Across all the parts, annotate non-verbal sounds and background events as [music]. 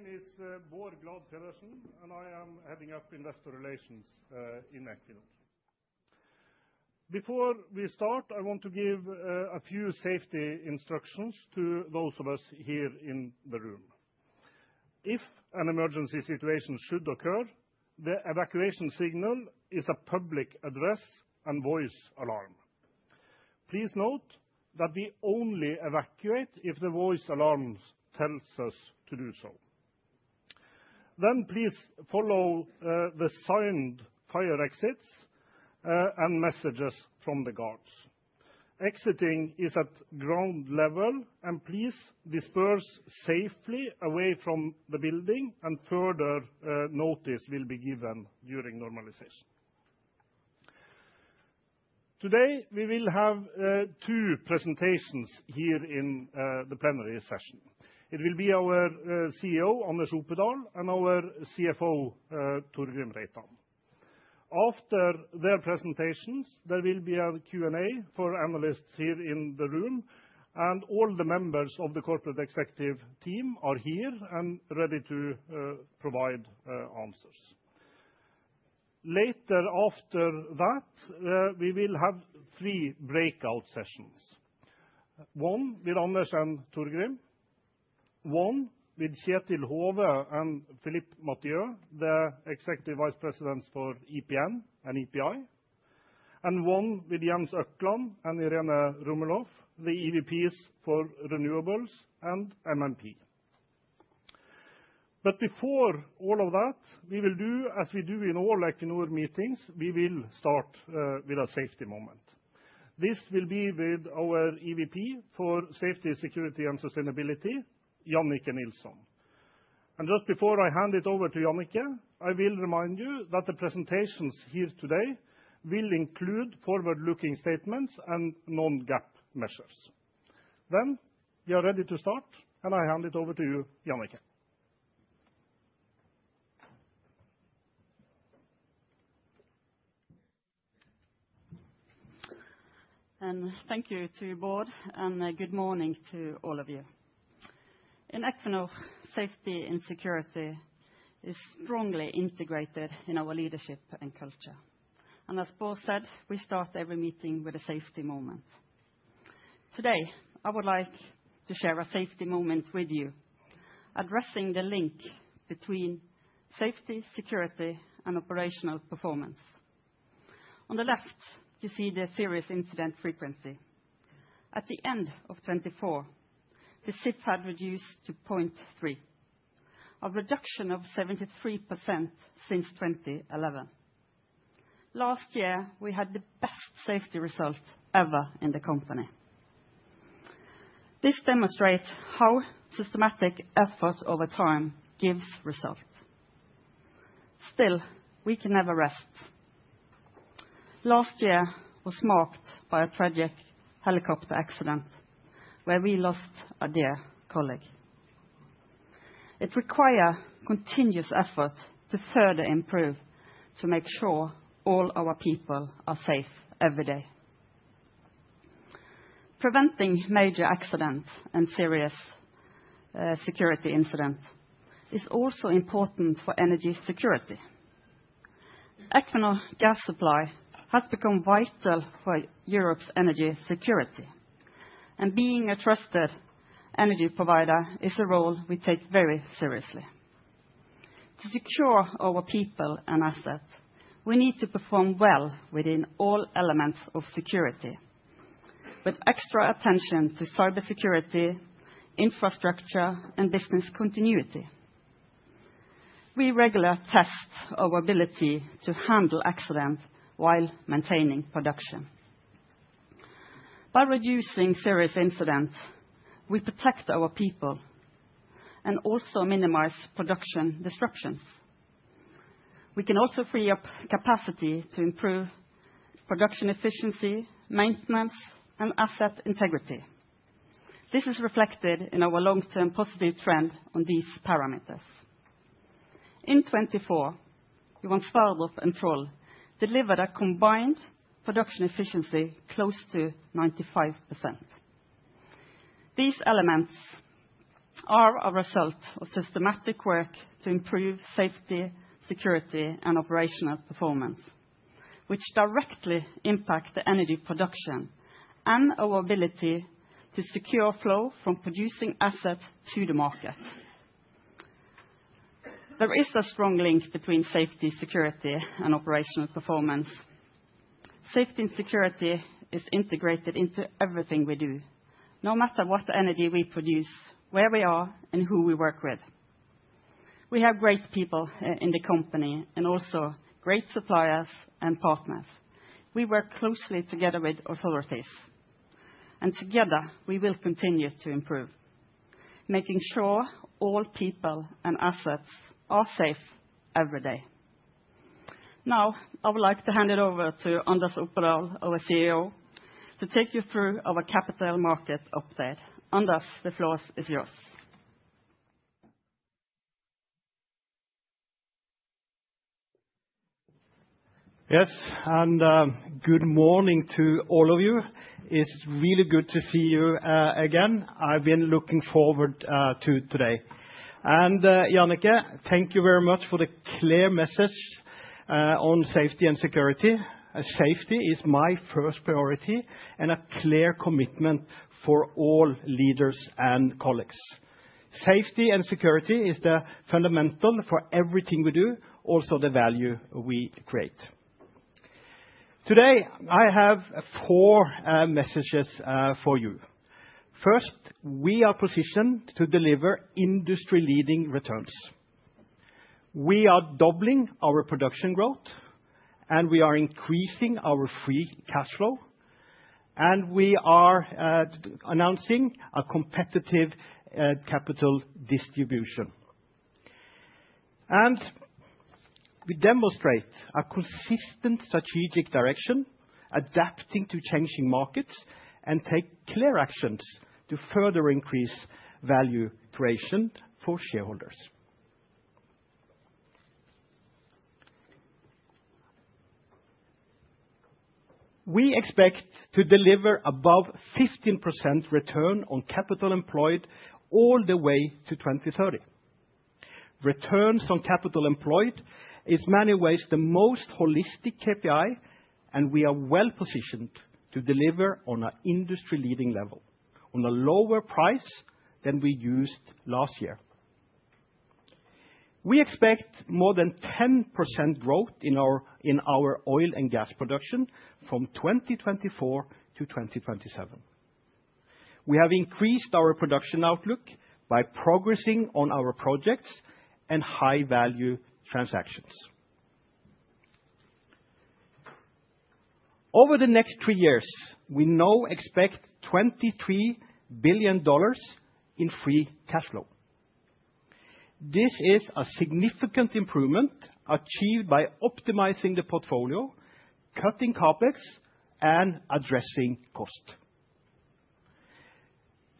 My name is Bård Glad Pedersen, and I am heading up investor relations in Equinor. Before we start, I want to give a few safety instructions to those of us here in the room. If an emergency situation should occur, the evacuation signal is a public address and voice alarm. Please note that we only evacuate if the voice alarm tells us to do so. Then please follow the signed fire exits and messages from the guards. Exiting is at ground level, and please disperse safely away from the building, and further notice will be given during normalization. Today, we will have two presentations here in the plenary session. It will be our CEO, Anders Opedal, and our CFO, Torgrim Reitan. After their presentations, there will be a Q&A for analysts here in the room, and all the members of the corporate executive team are here and ready to provide answers. Later after that, we will have three breakout sessions. One with Anders and Torgrim, one with Kjetil Hove and Philippe Mathieu, the Executive Vice Presidents for EPN and EPI, and one with Jens Økland and Irene Rummelhoff, the EVPs for Renewables and MMP. But before all of that, we will do, as we do in all Equinor meetings, we will start with a safety moment. This will be with our EVP for Safety, Security, and Sustainability, Jannicke Nilsson. Just before I hand it over to Jannicke, I will remind you that the presentations here today will include forward-looking statements and non-GAAP measures. We are ready to start, and I hand it over to you, Jannicke. Thank you to you Bård, and good morning to all of you. In Equinor, safety and security is strongly integrated in our leadership and culture. As Bård said, we start every meeting with a safety moment. Today, I would like to share a safety moment with you, addressing the link between safety, security, and operational performance. On the left, you see the serious incident frequency. At the end of 2024, the SIF had reduced to 0.3, a reduction of 73% since 2011. Last year, we had the best safety result ever in the company. This demonstrates how systematic effort over time gives result. Still, we can never rest. Last year was marked by a tragic helicopter accident where we lost a dear colleague. It requires continuous effort to further improve, to make sure all our people are safe every day. Preventing major accidents and serious security incidents is also important for energy security. Equinor's gas supply has become vital for Europe's energy security, and being a trusted energy provider is a role we take very seriously. To secure our people and assets, we need to perform well within all elements of security, with extra attention to cybersecurity, infrastructure, and business continuity. We regularly test our ability to handle accidents while maintaining production. By reducing serious incidents, we protect our people and also minimize production disruptions. We can also free up capacity to improve production efficiency, maintenance, and asset integrity. This is reflected in our long-term positive trend on these parameters. In 2024, Johan Sverdrup and Troll delivered a combined production efficiency close to 95%. These elements are a result of systematic work to improve safety, security, and operational performance, which directly impact energy production and our ability to secure flow from producing assets to the market. There is a strong link between safety, security, and operational performance. Safety and security is integrated into everything we do, no matter what energy we produce, where we are, and who we work with. We have great people in the company and also great suppliers and partners. We work closely together with authorities, and together we will continue to improve, making sure all people and assets are safe every day. Now, I would like to hand it over to Anders Opedal, our CEO, to take you through our capital market update. Anders, the floor is yours. Yes, and good morning to all of you. It's really good to see you again. I've been looking forward to today, and Jannicke, thank you very much for the clear message on safety and security. Safety is my first priority and a clear commitment for all leaders and colleagues. Safety and security are fundamental for everything we do, also the value we create. Today, I have four messages for you. First, we are positioned to deliver industry-leading returns. We are doubling our production growth, and we are increasing our free cash flow, and we are announcing a competitive capital distribution, and we demonstrate a consistent strategic direction, adapting to changing markets and taking clear actions to further increase value creation for shareholders. We expect to deliver above 15% return on capital employed all the way to 2030. Returns on capital employed are in many ways the most holistic KPI, and we are well positioned to deliver on an industry-leading level on a lower price than we used last year. We expect more than 10% growth in our oil and gas production from 2024 to 2027. We have increased our production outlook by progressing on our projects and high-value transactions. Over the next three years, we now expect $23 billion in free cash flow. This is a significant improvement achieved by optimizing the portfolio, cutting CapEx, and addressing cost.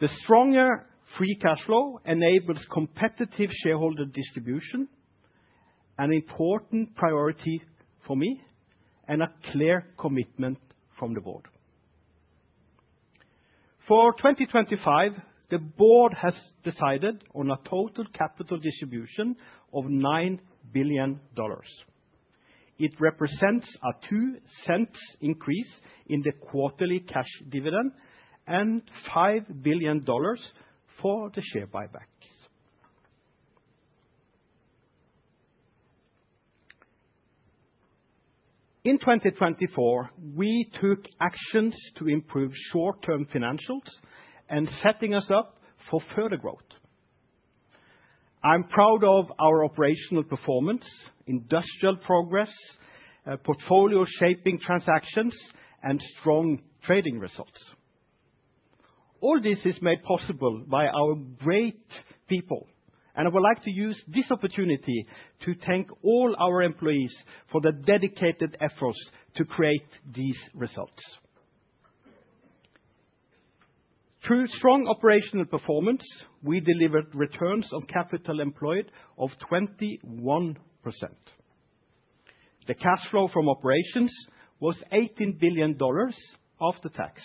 The stronger free cash flow enables competitive shareholder distribution, an important priority for me, and a clear commitment from the Board. For 2025, the Board has decided on a total capital distribution of $9 billion. It represents a $0.02 increase in the quarterly cash dividend and $5 billion for the share buybacks. In 2024, we took actions to improve short-term financials and set us up for further growth. I'm proud of our operational performance, industrial progress, portfolio-shaping transactions, and strong trading results. All this is made possible by our great people, and I would like to use this opportunity to thank all our employees for the dedicated efforts to create these results. Through strong operational performance, we delivered returns on capital employed of 21%. The cash flow from operations was $18 billion after tax,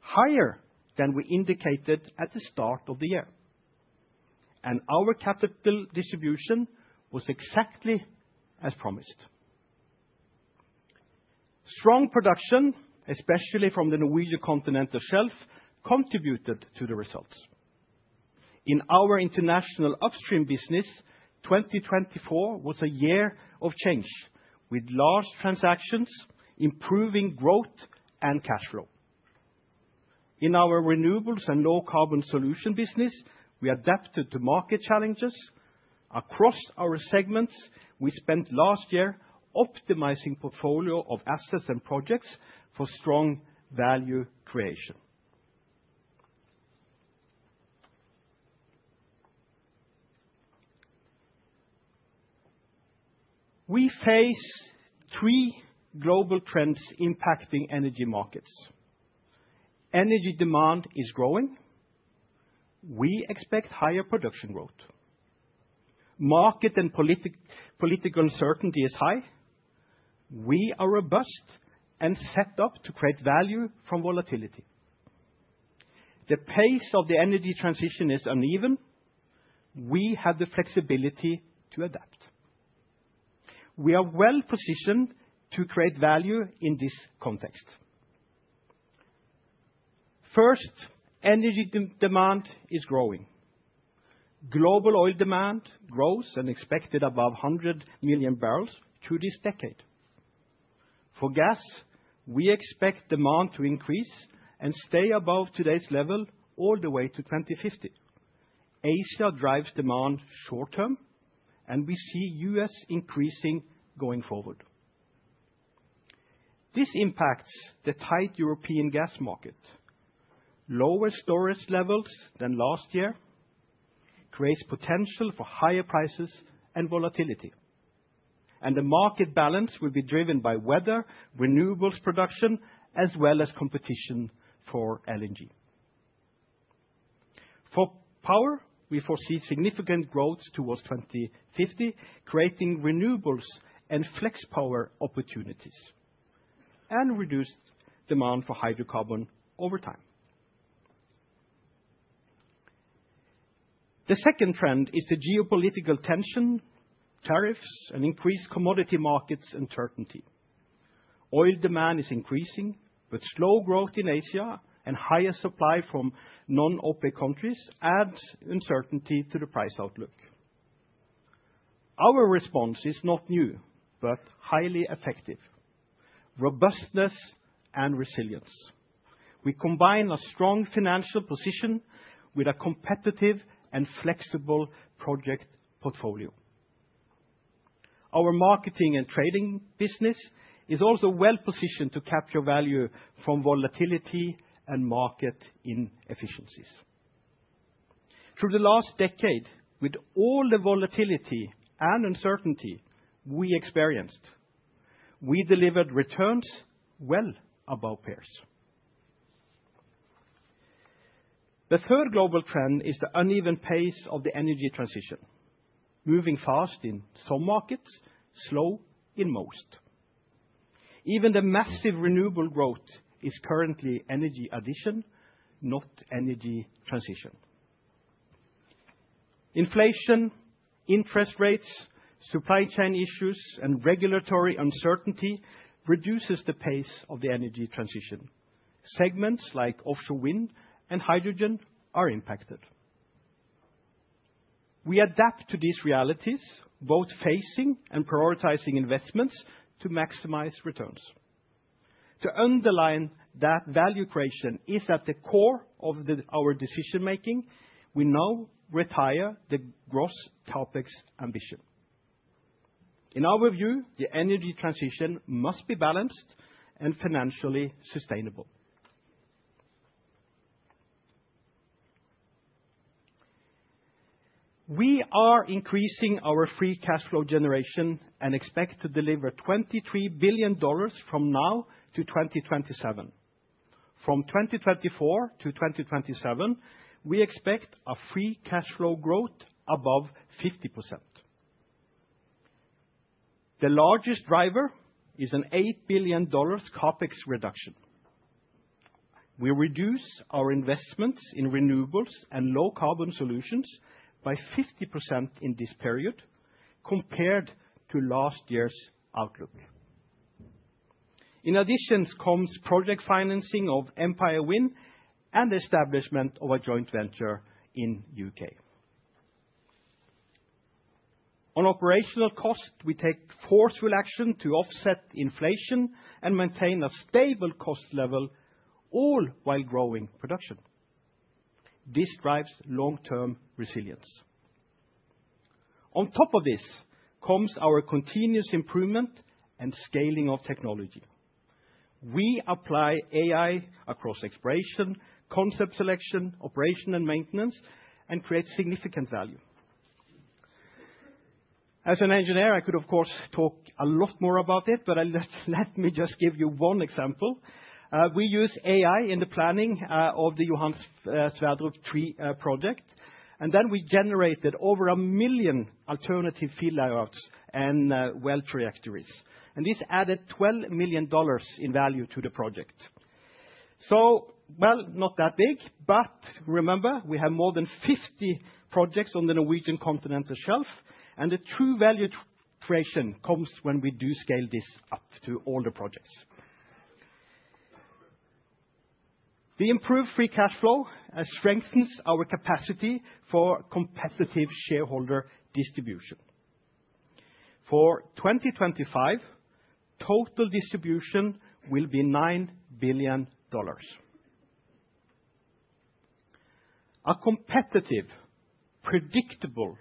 higher than we indicated at the start of the year, and our capital distribution was exactly as promised. Strong production, especially from the Norwegian Continental Shelf, contributed to the results. In our international upstream business, 2024 was a year of change, with large transactions, improving growth, and cash flow. In our renewables and low-carbon solution business, we adapted to market challenges. Across our segments, we spent last year optimizing the portfolio of assets and projects for strong value creation. We face three global trends impacting energy markets. Energy demand is growing. We expect higher production growth. Market and political uncertainty is high. We are robust and set up to create value from volatility. The pace of the energy transition is uneven. We have the flexibility to adapt. We are well positioned to create value in this context. First, energy demand is growing. Global oil demand grows and is expected above 100 million bbl through this decade. For gas, we expect demand to increase and stay above today's level all the way to 2050. Asia drives demand short-term, and we see the U.S. increasing going forward. This impacts the tight European gas market. Lower storage levels than last year create potential for higher prices and volatility, and the market balance will be driven by weather, renewables production, as well as competition for LNG. For power, we foresee significant growth towards 2050, creating renewables and flex power opportunities, and reduced demand for hydrocarbon over time. The second trend is the geopolitical tension, tariffs, and increased commodity market uncertainty. Oil demand is increasing, but slow growth in Asia and higher supply from non-OPEC countries add uncertainty to the price outlook. Our response is not new, but highly effective: robustness and resilience. We combine a strong financial position with a competitive and flexible project portfolio. Our marketing and trading business is also well positioned to capture value from volatility and market inefficiencies. Through the last decade, with all the volatility and uncertainty we experienced, we delivered returns well above peers. The third global trend is the uneven pace of the energy transition: moving fast in some markets, slow in most. Even the massive renewable growth is currently energy addition, not energy transition. Inflation, interest rates, supply chain issues, and regulatory uncertainty reduce the pace of the energy transition. Segments like offshore wind and hydrogen are impacted. We adapt to these realities, both facing and prioritizing investments to maximize returns. To underline that value creation is at the core of our decision-making, we now retire the gross CapEx ambition. In our view, the energy transition must be balanced and financially sustainable. We are increasing our free cash flow generation and expect to deliver $23 billion from now to 2027. From 2024 to 2027, we expect a free cash flow growth above 50%. The largest driver is an $8 billion CapEx reduction. We reduce our investments in renewables and low-carbon solutions by 50% in this period compared to last year's outlook. In addition, comes project financing of Empire Wind and the establishment of a joint venture in the U.K. On operational cost, we take forceful action to offset inflation and maintain a stable cost level, all while growing production. This drives long-term resilience. On top of this, comes our continuous improvement and scaling of technology. We apply AI across exploration, concept selection, operation, and maintenance, and create significant value. As an engineer, I could, of course, talk a lot more about it, but let me just give you one example. We use AI in the planning of the Johan Sverdrup 3 project, and then we generated over 1 million alternative field layouts and well trajectories, and this added $12 million in value to the project. Not that big, but remember, we have more than 50 projects on the Norwegian Continental Shelf, and the true value creation comes when we do scale this up to all the projects. The improved free cash flow strengthens our capacity for competitive shareholder distribution. For 2025, total distribution will be $9 billion. A competitive, predictable,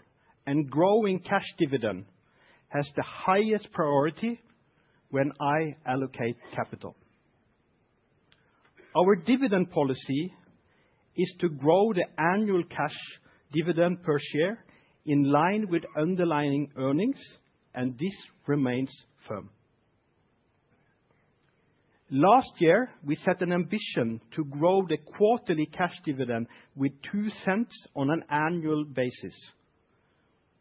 and growing cash dividend has the highest priority when I allocate capital. Our dividend policy is to grow the annual cash dividend per share in line with underlying earnings, and this remains firm. Last year, we set an ambition to grow the quarterly cash dividend with $0.02 on an annual basis.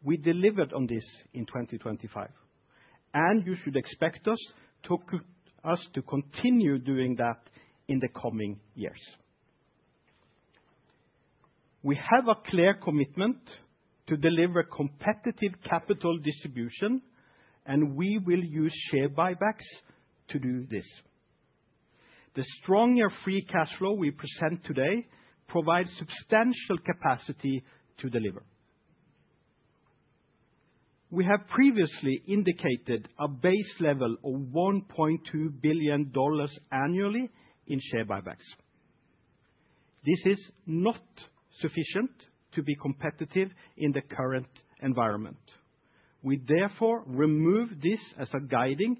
We delivered on this in 2025, and you should expect us to continue doing that in the coming years. We have a clear commitment to deliver competitive capital distribution, and we will use share buybacks to do this. The stronger free cash flow we present today provides substantial capacity to deliver. We have previously indicated a base level of $1.2 billion annually in share buybacks. This is not sufficient to be competitive in the current environment. We therefore remove this as a guiding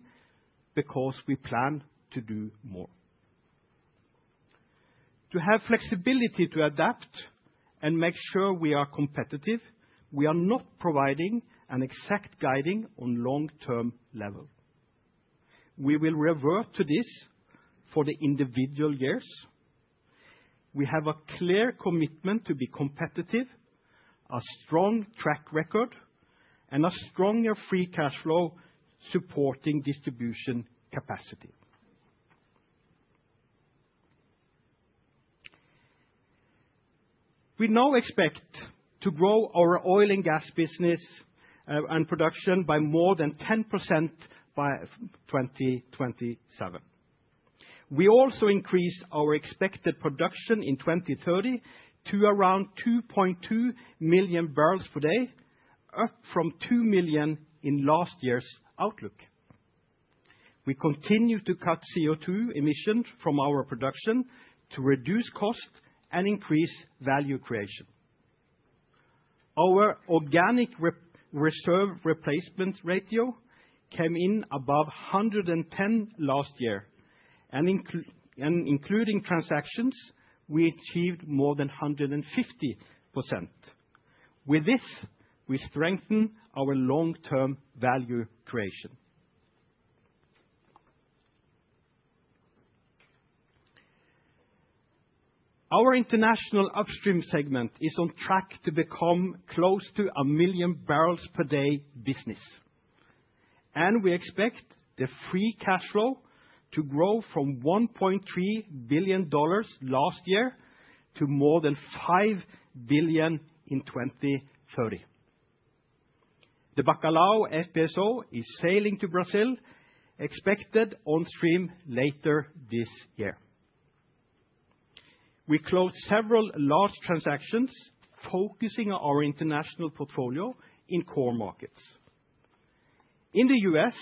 because we plan to do more. To have flexibility to adapt and make sure we are competitive, we are not providing an exact guiding on a long-term level. We will revert to this for the individual years. We have a clear commitment to be competitive, a strong track record, and a stronger free cash flow supporting distribution capacity. We now expect to grow our oil and gas business and production by more than 10% by 2027. We also increased our expected production in 2030 to around 2.2 MMbpd, up from 2 million in last year's outlook. We continue to cut CO2 emissions from our production to reduce costs and increase value creation. Our organic reserve replacement ratio came in above 110% last year, and including transactions, we achieved more than 150%. With this, we strengthen our long-term value creation. Our international upstream segment is on track to become close to 1 MMbpd business, and we expect the free cash flow to grow from $1.3 billion last year to more than $5 billion in 2030. The Bacalhau FPSO is sailing to Brazil, expected on stream later this year. We closed several large transactions focusing on our international portfolio in core markets. In the U.S.,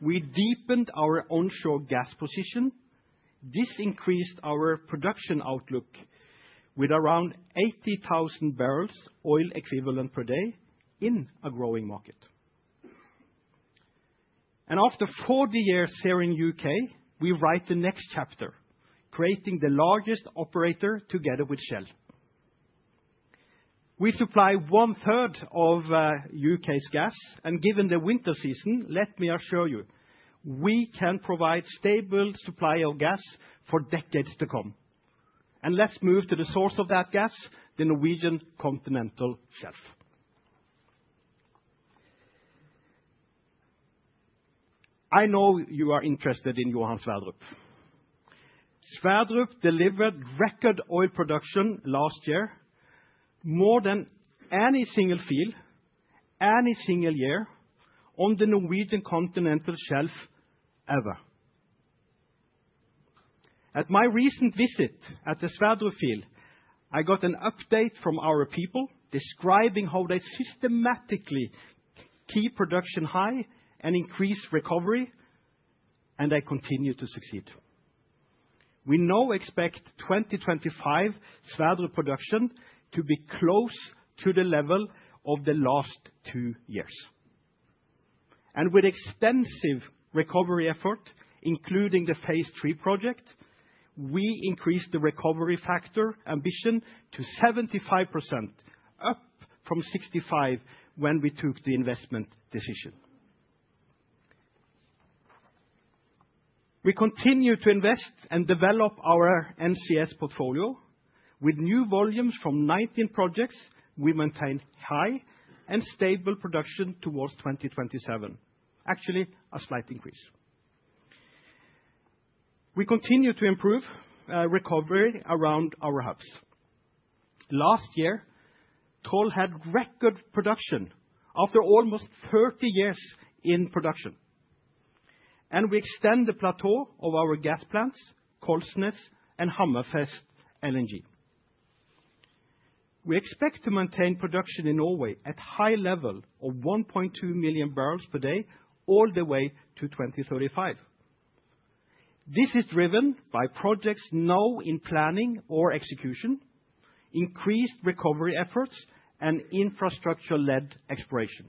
we deepened our onshore gas position. This increased our production outlook with around 80,000 bbl of oil equivalent per day in a growing market. And after 40 years here in the U.K., we write the next chapter, creating the largest operator together with Shell. We supply 1/3 of U.K.'s gas, and given the winter season, let me assure you, we can provide stable supply of gas for decades to come. And let's move to the source of that gas, the Norwegian Continental Shelf. I know you are interested in Johan Sverdrup. Sverdrup delivered record oil production last year, more than any single field, any single year on the Norwegian Continental Shelf ever. At my recent visit at the Sverdrup field, I got an update from our people describing how they systematically keep production high and increase recovery, and they continue to succeed. We now expect 2025 Sverdrup production to be close to the level of the last two years. With extensive recovery effort, including the phase 3 project, we increased the recovery factor ambition to 75%, up from 65% when we took the investment decision. We continue to invest and develop our NCS portfolio. With new volumes from 19 projects, we maintain high and stable production towards 2027, actually a slight increase. We continue to improve recovery around our hubs. Last year, Troll had record production after almost 30 years in production, and we extend the plateau of our gas plants, Kollsnes and Hammerfest LNG. We expect to maintain production in Norway at a high level of 1.2 MMbpd all the way to 2035. This is driven by projects now in planning or execution, increased recovery efforts, and infrastructure-led exploration.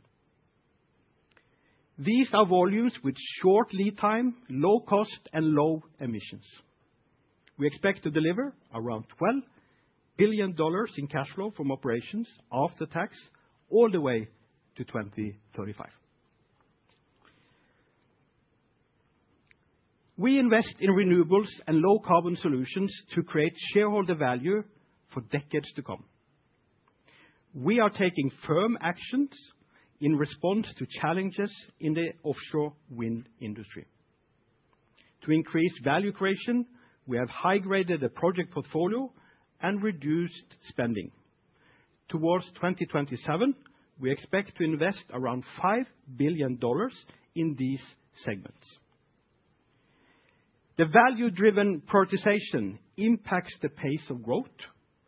These are volumes with short lead time, low cost, and low emissions. We expect to deliver around $12 billion in cash flow from operations after tax all the way to 2035. We invest in renewables and low-carbon solutions to create shareholder value for decades to come. We are taking firm actions in response to challenges in the offshore wind industry. To increase value creation, we have high-graded the project portfolio and reduced spending. Towards 2027, we expect to invest around $5 billion in these segments. The value-driven prioritization impacts the pace of growth,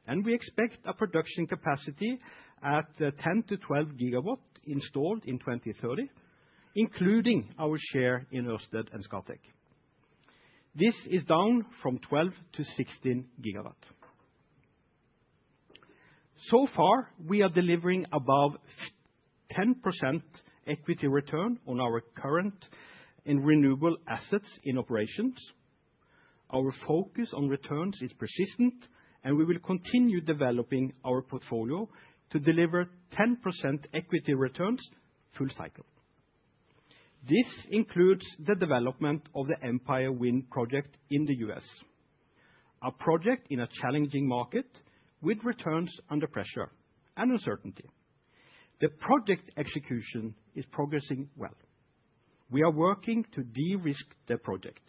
and we expect a production capacity at 10 GW-12 GW installed in 2030, including our share in Ørsted and Scatec. This is down from 12 GW-16 GW. So far, we are delivering above 10% equity return on our current and renewable assets in operations. Our focus on returns is persistent, and we will continue developing our portfolio to deliver 10% equity returns full cycle. This includes the development of the Empire Wind project in the U.S., a project in a challenging market with returns under pressure and uncertainty. The project execution is progressing well. We are working to de-risk the project.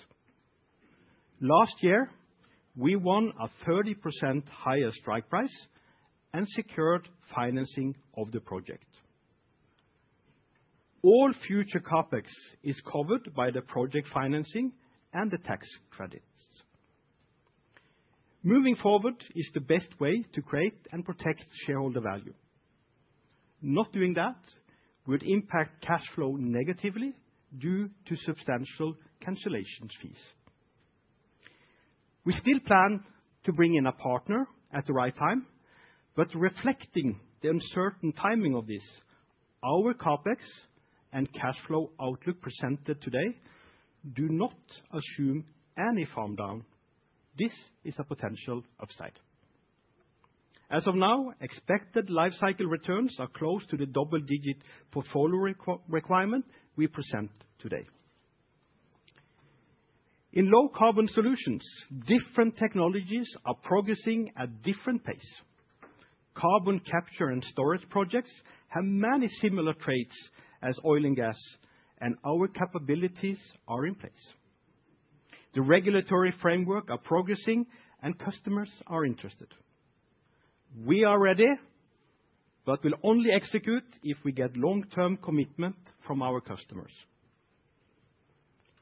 Last year, we won a 30% higher strike price and secured financing of the project. All future CapEx is covered by the project financing and the tax credits. Moving forward is the best way to create and protect shareholder value. Not doing that would impact cash flow negatively due to substantial cancellation fees. We still plan to bring in a partner at the right time, but reflecting the uncertain timing of this, our CapEx and cash flow outlook presented today do not assume any farm down. This is a potential upside. As of now, expected life cycle returns are close to the double-digit portfolio requirement we present today. In low-carbon solutions, different technologies are progressing at different paces. Carbon capture and storage projects have many similar traits to oil and gas, and our capabilities are in place. The regulatory framework is progressing, and customers are interested. We are ready, but we'll only execute if we get long-term commitment from our customers.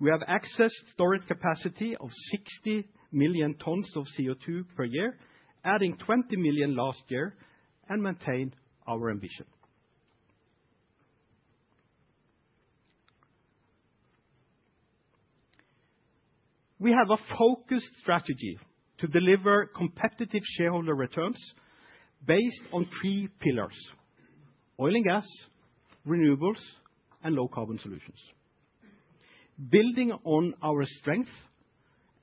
We have access to storage capacity of 60 million tons of CO2 per year, adding 20 million last year, and maintain our ambition. We have a focused strategy to deliver competitive shareholder returns based on three pillars: oil and gas, renewables, and low-carbon solutions. Building on our strength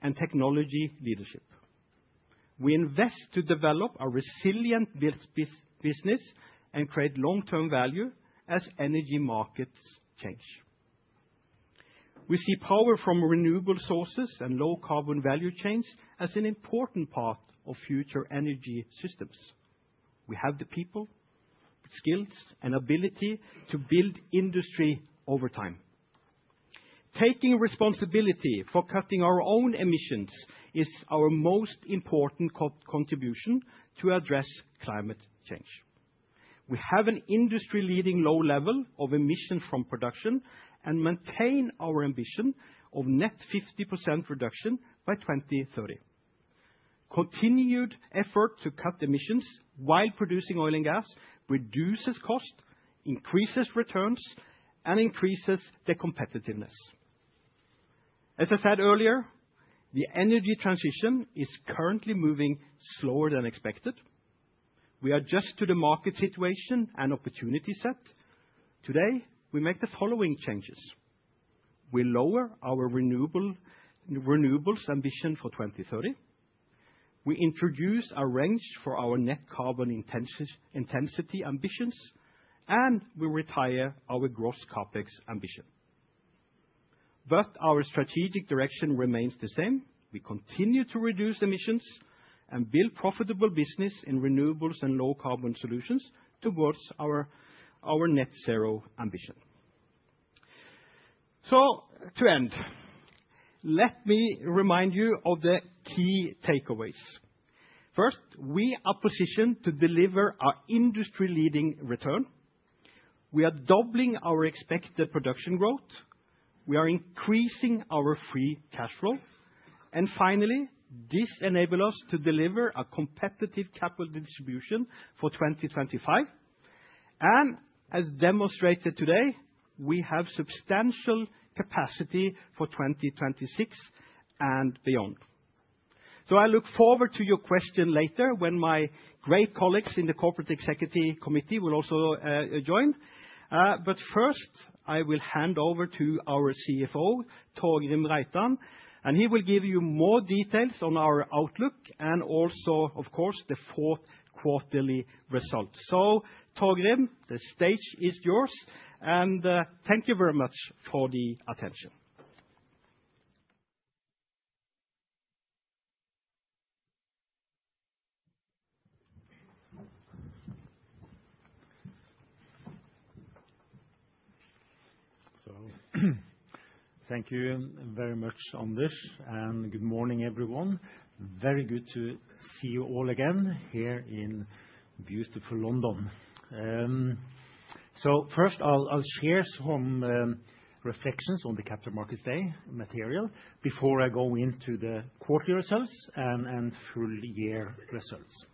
and technology leadership, we invest to develop a resilient business and create long-term value as energy markets change. We see power from renewable sources and low-carbon value chains as an important part of future energy systems. We have the people, skills, and ability to build industry over time. Taking responsibility for cutting our own emissions is our most important contribution to address climate change. We have an industry-leading low level of emissions from production and maintain our ambition of net 50% reduction by 2030. Continued effort to cut emissions while producing oil and gas reduces costs, increases returns, and increases the competitiveness. As I said earlier, the energy transition is currently moving slower than expected. We adjust to the market situation and opportunity set. Today, we make the following changes. We lower our renewables ambition for 2030. We introduce a range for our net carbon intensity ambitions, and we retire our gross CapEx ambition. But our strategic direction remains the same. We continue to reduce emissions and build profitable business in renewables and low-carbon solutions towards our net zero ambition. So, to end, let me remind you of the key takeaways. First, we are positioned to deliver our industry-leading return. We are doubling our expected production growth. We are increasing our free cash flow. And finally, this enables us to deliver a competitive capital distribution for 2025. And as demonstrated today, we have substantial capacity for 2026 and beyond. So, I look forward to your question later when my great colleagues in the Corporate Executive Committee will also join. But first, I will hand over to our CFO, Torgrim Reitan, and he will give you more details on our outlook and also, of course, the fourth quarterly results. So, Torgrim, the stage is yours, and thank you very much for the attention. So, thank you very much, Anders, and good morning, everyone. Very good to see you all again here in beautiful London. First, I'll share some reflections on the Capital Markets Day material before I go into the quarter results and full-year results.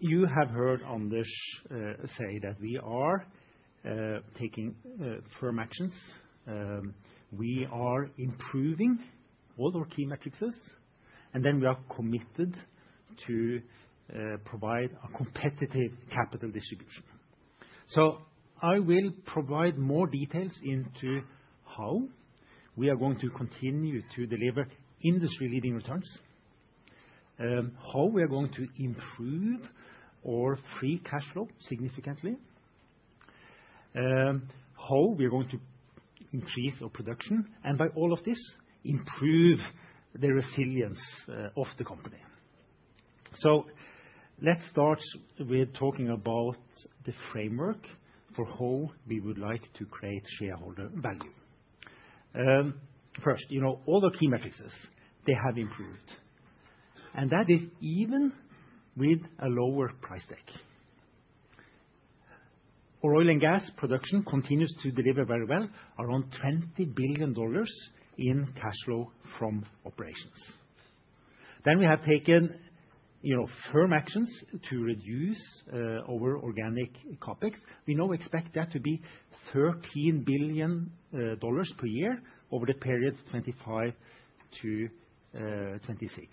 You have heard Anders say that we are taking firm actions. We are improving all our key metrics, and then we are committed to provide a competitive capital distribution. I will provide more details into how we are going to continue to deliver industry-leading returns, how we are going to improve our free cash flow significantly, how we are going to increase our production, and by all of this, improve the resilience of the company. Let's start with talking about the framework for how we would like to create shareholder value. First, you know all the key metrics, they have improved, and that is even with a lower price tag. Our oil and gas production continues to deliver very well, around $20 billion in cash flow from operations. Then we have taken firm actions to reduce our organic CapEx. We now expect that to be $13 billion per year over the period 2025 to 2026.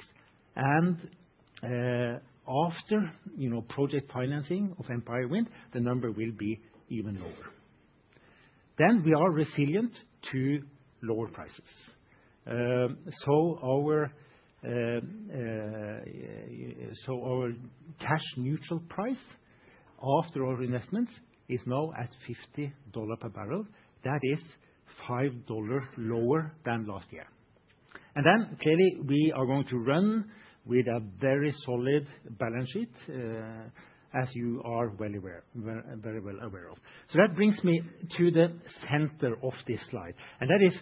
And after project financing of Empire Wind, the number will be even lower. Then we are resilient to lower prices. So, our cash neutral price after our investments is now at $50 per barrel. That is $5 lower than last year. And then clearly, we are going to run with a very solid balance sheet, as you are very well aware of. So, that brings me to the center of this slide, and that is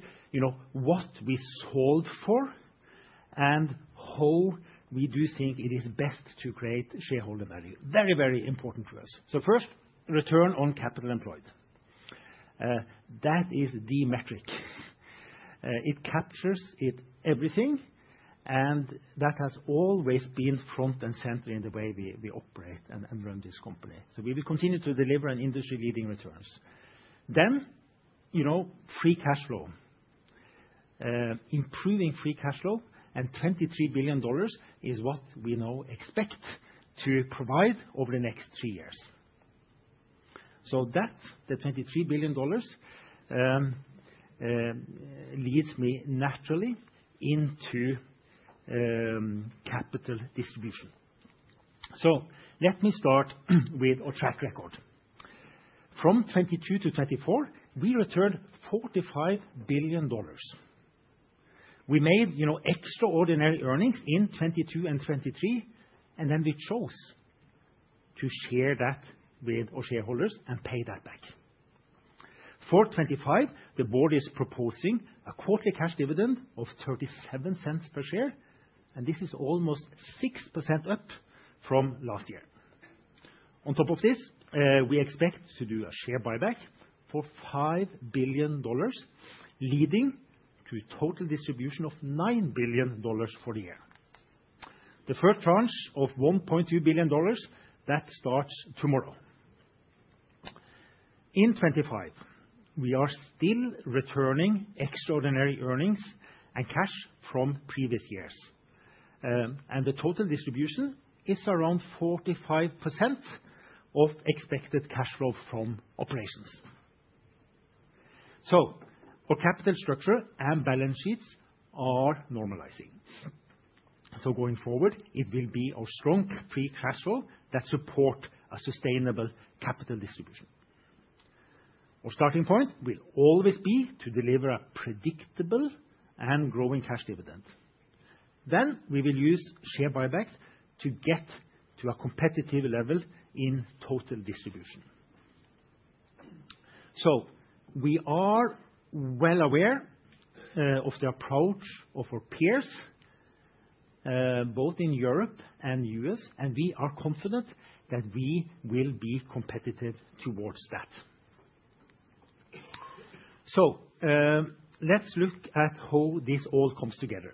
what we stand for and how we do think it is best to create shareholder value. Very, very important to us. So, first, return on capital employed. That is the metric. It captures everything, and that has always been front and center in the way we operate and run this company. So, we will continue to deliver industry-leading returns. Then, you know, free cash flow. Improving free cash flow and $23 billion is what we now expect to provide over the next three years. So, that, the $23 billion, leads me naturally into capital distribution. So, let me start with our track record. From 2022 to 2024, we returned $45 billion. We made extraordinary earnings in 2022 and 2023, and then we chose to share that with our shareholders and pay that back. For 2025, the board is proposing a quarterly cash dividend of $0.37 per share, and this is almost 6% up from last year. On top of this, we expect to do a share buyback for $5 billion, leading to a total distribution of $9 billion for the year. The first tranche of $1.2 billion that starts tomorrow. In 2025, we are still returning extraordinary earnings and cash from previous years, and the total distribution is around 45% of expected cash flow from operations. Our capital structure and balance sheets are normalizing. Going forward, it will be our strong free cash flow that supports a sustainable capital distribution. Our starting point will always be to deliver a predictable and growing cash dividend. Then we will use share buybacks to get to a competitive level in total distribution. We are well aware of the approach of our peers, both in Europe and the U.S., and we are confident that we will be competitive towards that. So, let's look at how this all comes together.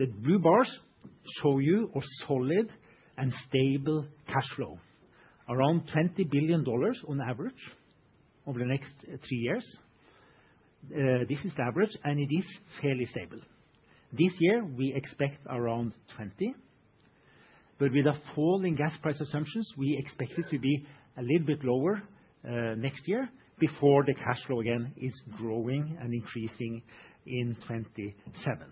The blue bars show you our solid and stable cash flow, around $20 billion on average over the next three years. This is the average, and it is fairly stable. This year, we expect around $20 billion. But with the fall in gas price assumptions, we expect it to be a little bit lower next year before the cash flow again is growing and increasing in 2027.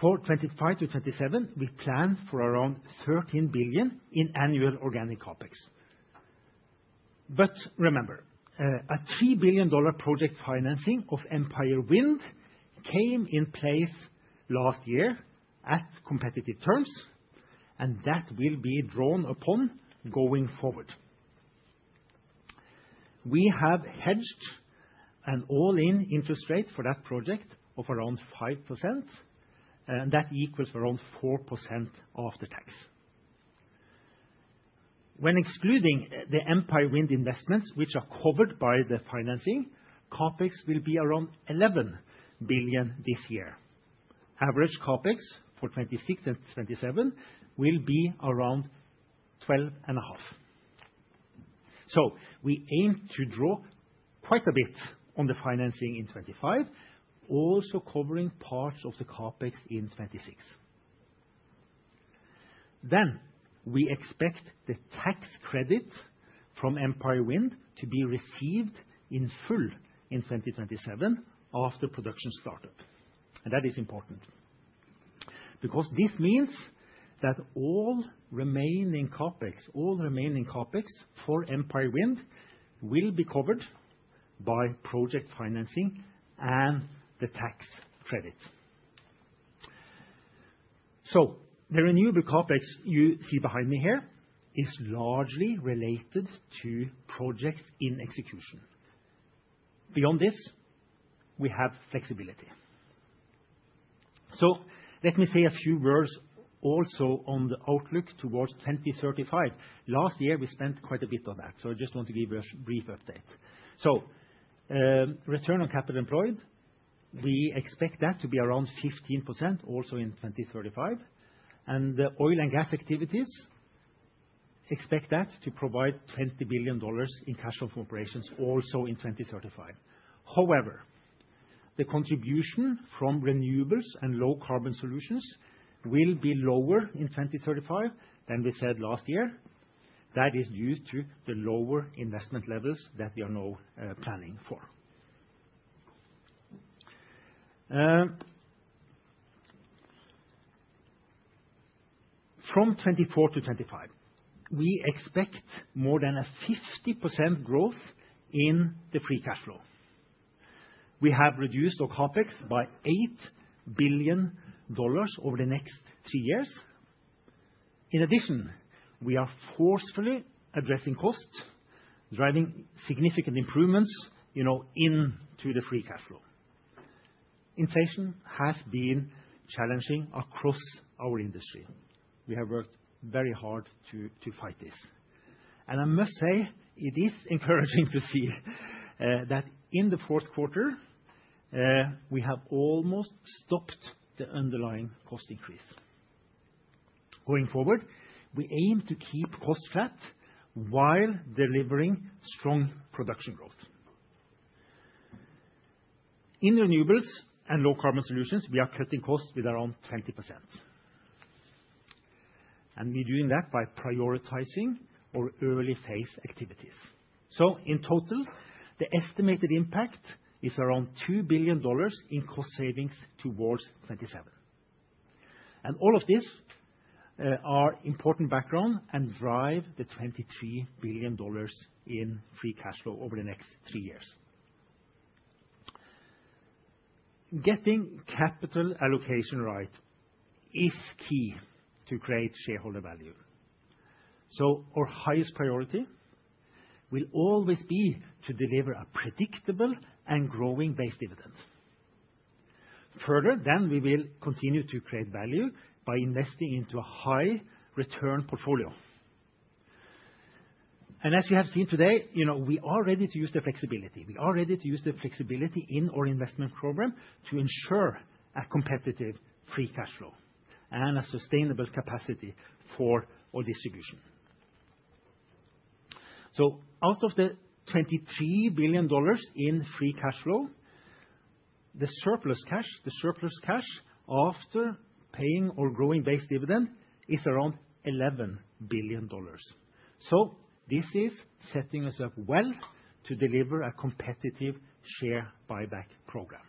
For 2025 to 2027, we plan for around $13 billion in annual organic CapEx. But remember, a $3 billion project financing of Empire Wind came in place last year at competitive terms, and that will be drawn upon going forward. We have hedged an all-in interest rate for that project of around 5%, and that equals around 4% after tax. When excluding the Empire Wind investments, which are covered by the financing, CapEx will be around $11 billion this year. Average CapEx for 2026 and 2027 will be around $12.5 billion, so we aim to draw quite a bit on the financing in 2025, also covering parts of the CapEx in 2026, then we expect the tax credit from Empire Wind to be received in full in 2027 after production startup, and that is important because this means that all remaining CapEx, all remaining CapEx for Empire Wind will be covered by project financing and the tax credit, so the renewable CapEx you see behind me here is largely related to projects in execution. Beyond this, we have flexibility, so let me say a few words also on the outlook towards 2035. Last year, we spent quite a bit on that, so I just want to give you a brief update. Return on capital employed, we expect that to be around 15% also in 2035. The oil and gas activities expect that to provide $20 billion in cash flow from operations also in 2035. However, the contribution from renewables and low-carbon solutions will be lower in 2035 than we said last year. That is due to the lower investment levels that we are now planning for. From 2024 to 2025, we expect more than a 50% growth in the free cash flow. We have reduced our CapEx by $8 billion over the next three years. In addition, we are forcefully addressing costs, driving significant improvements into the free cash flow. Inflation has been challenging across our industry. We have worked very hard to fight this. I must say, it is encouraging to see that in the fourth quarter, we have almost stopped the underlying cost increase. Going forward, we aim to keep costs flat while delivering strong production growth. In renewables and low-carbon solutions, we are cutting costs with around 20%. We are doing that by prioritizing our early phase activities. In total, the estimated impact is around $2 billion in cost savings towards 2027. All of this is important background and drives the $23 billion in free cash flow over the next three years. Getting capital allocation right is key to create shareholder value. Our highest priority will always be to deliver a predictable and growing base dividend. Further, then we will continue to create value by investing into a high-return portfolio. As you have seen today, we are ready to use the flexibility. We are ready to use the flexibility in our investment program to ensure a competitive free cash flow and a sustainable capacity for our distribution. Out of the $23 billion in free cash flow, the surplus cash after paying our growing base dividend is around $11 billion. This is setting us up well to deliver a competitive share buyback program.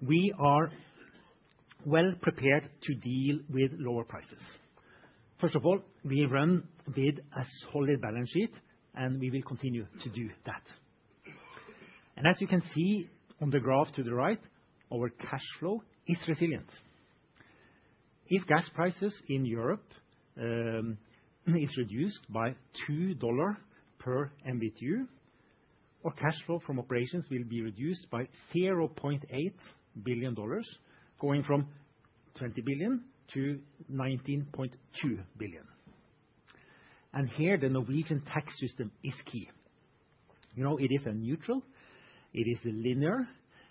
We are well prepared to deal with lower prices. First of all, we run with a solid balance sheet, and we will continue to do that. As you can see on the graph to the right, our cash flow is resilient. If gas prices in Europe are reduced by $2 per MMBtu, our cash flow from operations will be reduced by $0.8 billion, going from $20 billion to $19.2 billion. Here, the Norwegian tax system is key. You know, it is neutral, it is linear,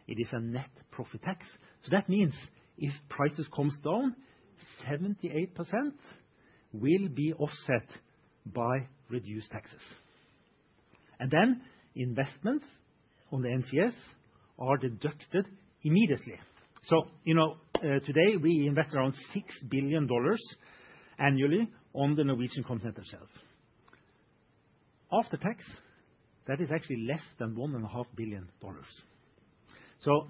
it is a net profit tax. So, that means if prices come down, 78% will be offset by reduced taxes. Investments on the NCS are deducted immediately. So, you know, today we invest around $6 billion annually on the Norwegian Continental Shelf itself. After tax, that is actually less than $1.5 billion. So,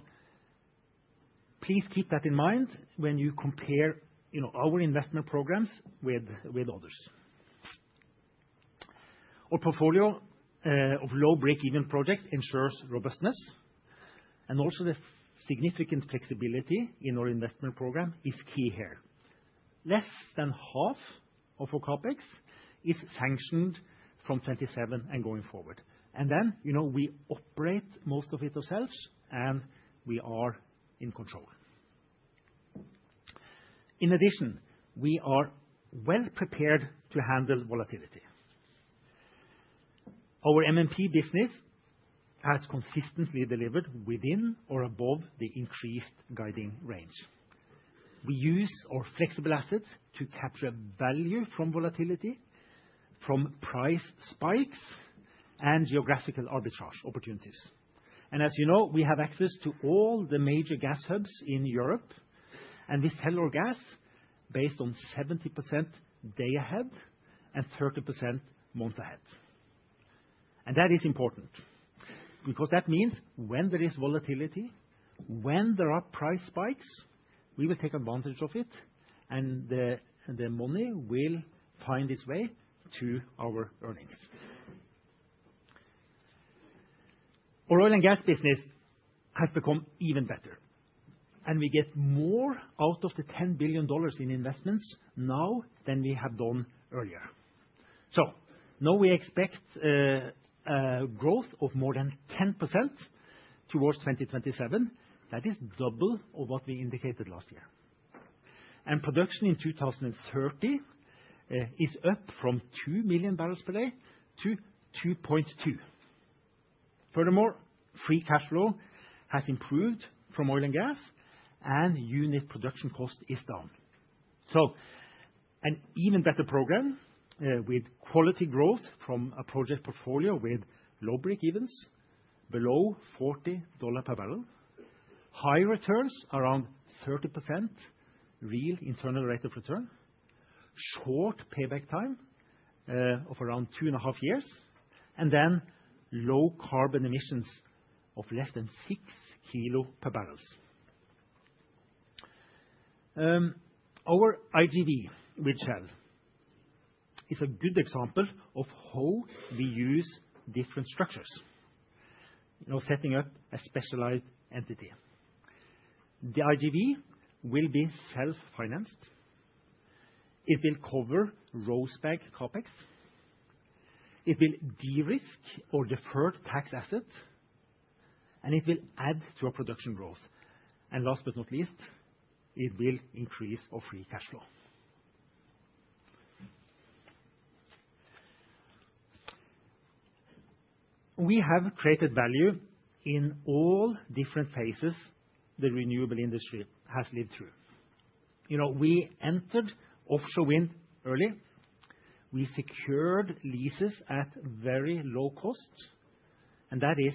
please keep that in mind when you compare our investment programs with others. Our portfolio of low break-even projects ensures robustness, and also the significant flexibility in our investment program is key here. Less than half of our CapEx is sanctioned from 2027 and going forward. You know, we operate most of it ourselves, and we are in control. In addition, we are well prepared to handle volatility. Our MMP business has consistently delivered within or above the increased guiding range. We use our flexible assets to capture value from volatility, from price spikes, and geographical arbitrage opportunities. And as you know, we have access to all the major gas hubs in Europe, and we sell our gas based on 70% day ahead and 30% month ahead. And that is important because that means when there is volatility, when there are price spikes, we will take advantage of it, and the money will find its way to our earnings. Our oil and gas business has become even better, and we get more out of the $10 billion in investments now than we have done earlier. So, now we expect growth of more than 10% towards 2027. That is double of what we indicated last year. And production in 2030 is up from 2 MMbpd-2.2 MMbpd. Furthermore, free cash flow has improved from oil and gas, and unit production cost is down, so an even better program with quality growth from a project portfolio with low break-evens below $40 per barrel, high returns around 30% real internal rate of return, short payback time of around two and a half years, and then low carbon emissions of less than 6 kg per barrels. Our IJV with Shell, is a good example of how we use different structures. You know, setting up a specialized entity. The IJV will be self-financed. It will cover rolled-back CapEx. It will de-risk our deferred tax asset, and it will add to our production growth. And last but not least, it will increase our free cash flow. We have created value in all different phases the renewable industry has lived through. You know, we entered offshore wind early. We secured leases at very low cost, and that is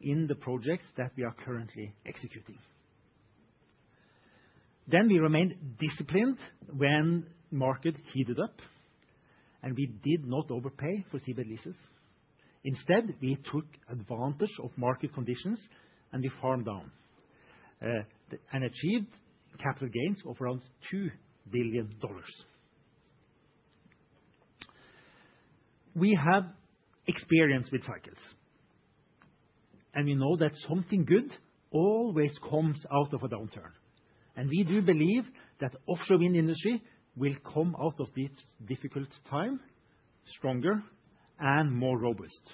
in the projects that we are currently executing. Then we remained disciplined when the market heated up, and we did not overpay for seabed leases. Instead, we took advantage of market conditions, and we farmed down and achieved capital gains of around $2 billion. We have experience with cycles, and we know that something good always comes out of a downturn. And we do believe that the offshore wind industry will come out of this difficult time stronger and more robust.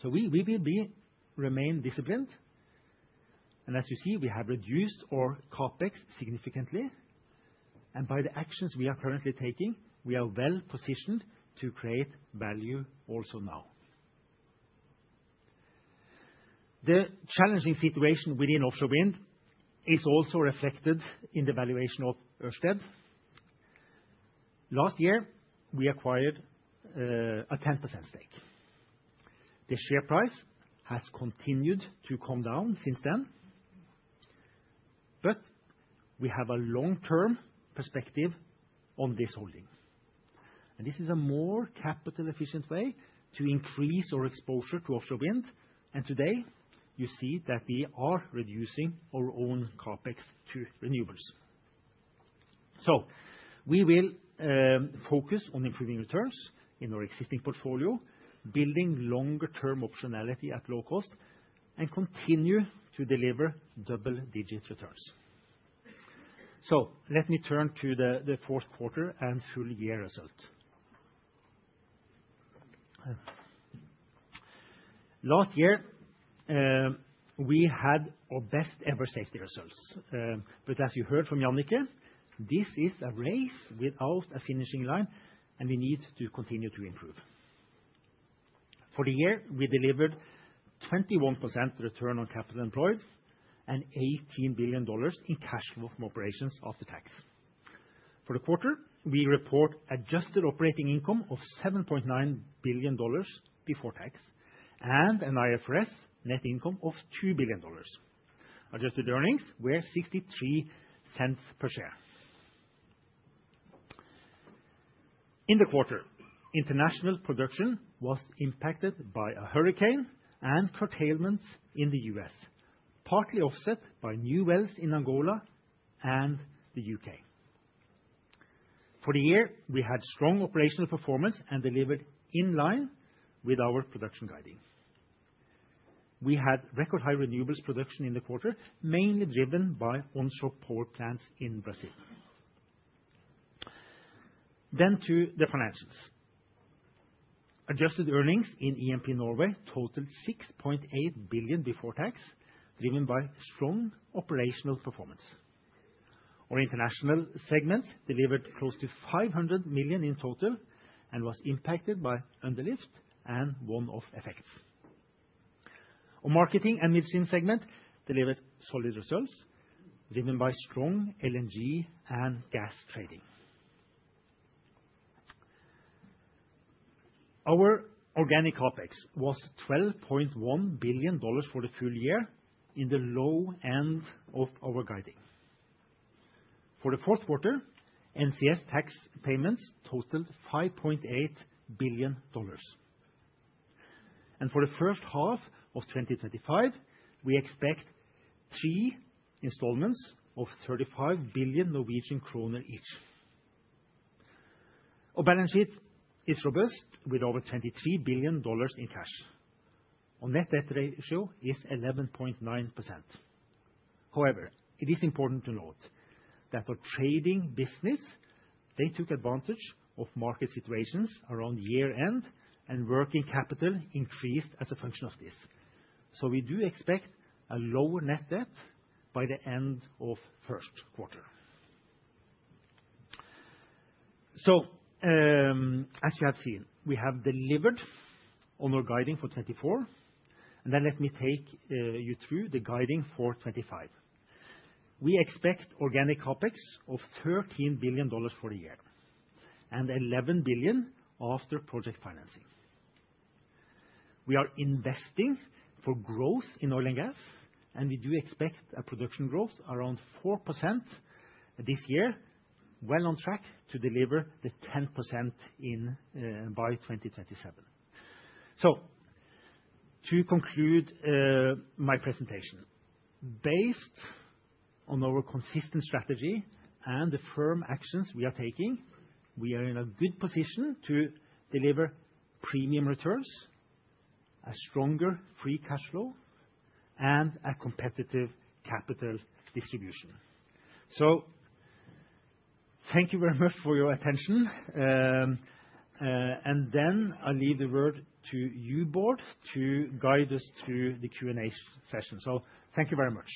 So, we will remain disciplined. And as you see, we have reduced our CapEx significantly. And by the actions we are currently taking, we are well positioned to create value also now. The challenging situation within offshore wind is also reflected in the valuation of Ørsted. Last year, we acquired a 10% stake. The share price has continued to come down since then, but we have a long-term perspective on this holding. And this is a more capital-efficient way to increase our exposure to offshore wind. And today, you see that we are reducing our own CapEx to renewables. So, we will focus on improving returns in our existing portfolio, building longer-term optionality at low cost, and continue to deliver double-digit returns. So, let me turn to the fourth quarter and full year result. Last year, we had our best-ever safety results. But as you heard from Jannicke, this is a race without a finishing line, and we need to continue to improve. For the year, we delivered 21% return on capital employed and $18 billion in cash flow from operations after tax. For the quarter, we report adjusted operating income of $7.9 billion before tax and an IFRS net income of $2 billion. Adjusted earnings were $0.63 per share. In the quarter, international production was impacted by a hurricane and curtailments in the U.S., partly offset by new wells in Angola and the U.K. For the year, we had strong operational performance and delivered in line with our production guidance. We had record-high renewables production in the quarter, mainly driven by onshore power plants in Brazil. Then to the financials. Adjusted earnings in E&P Norway totaled $6.8 billion before tax, driven by strong operational performance. Our international segment delivered close to $500 million in total and was impacted by underlift and one-off effects. Our marketing and midstream segment delivered solid results, driven by strong LNG and gas trading. Our organic CapEx was $12.1 billion for the full year in the low end of our guiding. For the fourth quarter, NCS tax payments totaled $5.8 billion. And for the first half of 2025, we expect three installments of NOK 35 billion each. Our balance sheet is robust with over $23 billion in cash. Our net debt ratio is 11.9%. However, it is important to note that our trading business took advantage of market situations around year-end, and working capital increased as a function of this. So, we do expect a lower net debt by the end of the first quarter. So, as you have seen, we have delivered on our guiding for 2024. And then let me take you through the guiding for 2025. We expect organic CapEx of $13 billion for the year and $11 billion after project financing. We are investing for growth in oil and gas, and we do expect a production growth around 4% this year, well on track to deliver the 10% by 2027. So, to conclude my presentation, based on our consistent strategy and the firm actions we are taking, we are in a good position to deliver premium returns, a stronger free cash flow, and a competitive capital distribution. So, thank you very much for your attention. And then I'll leave the word to you, Bård, to guide us through the Q&A session. So, thank you very much.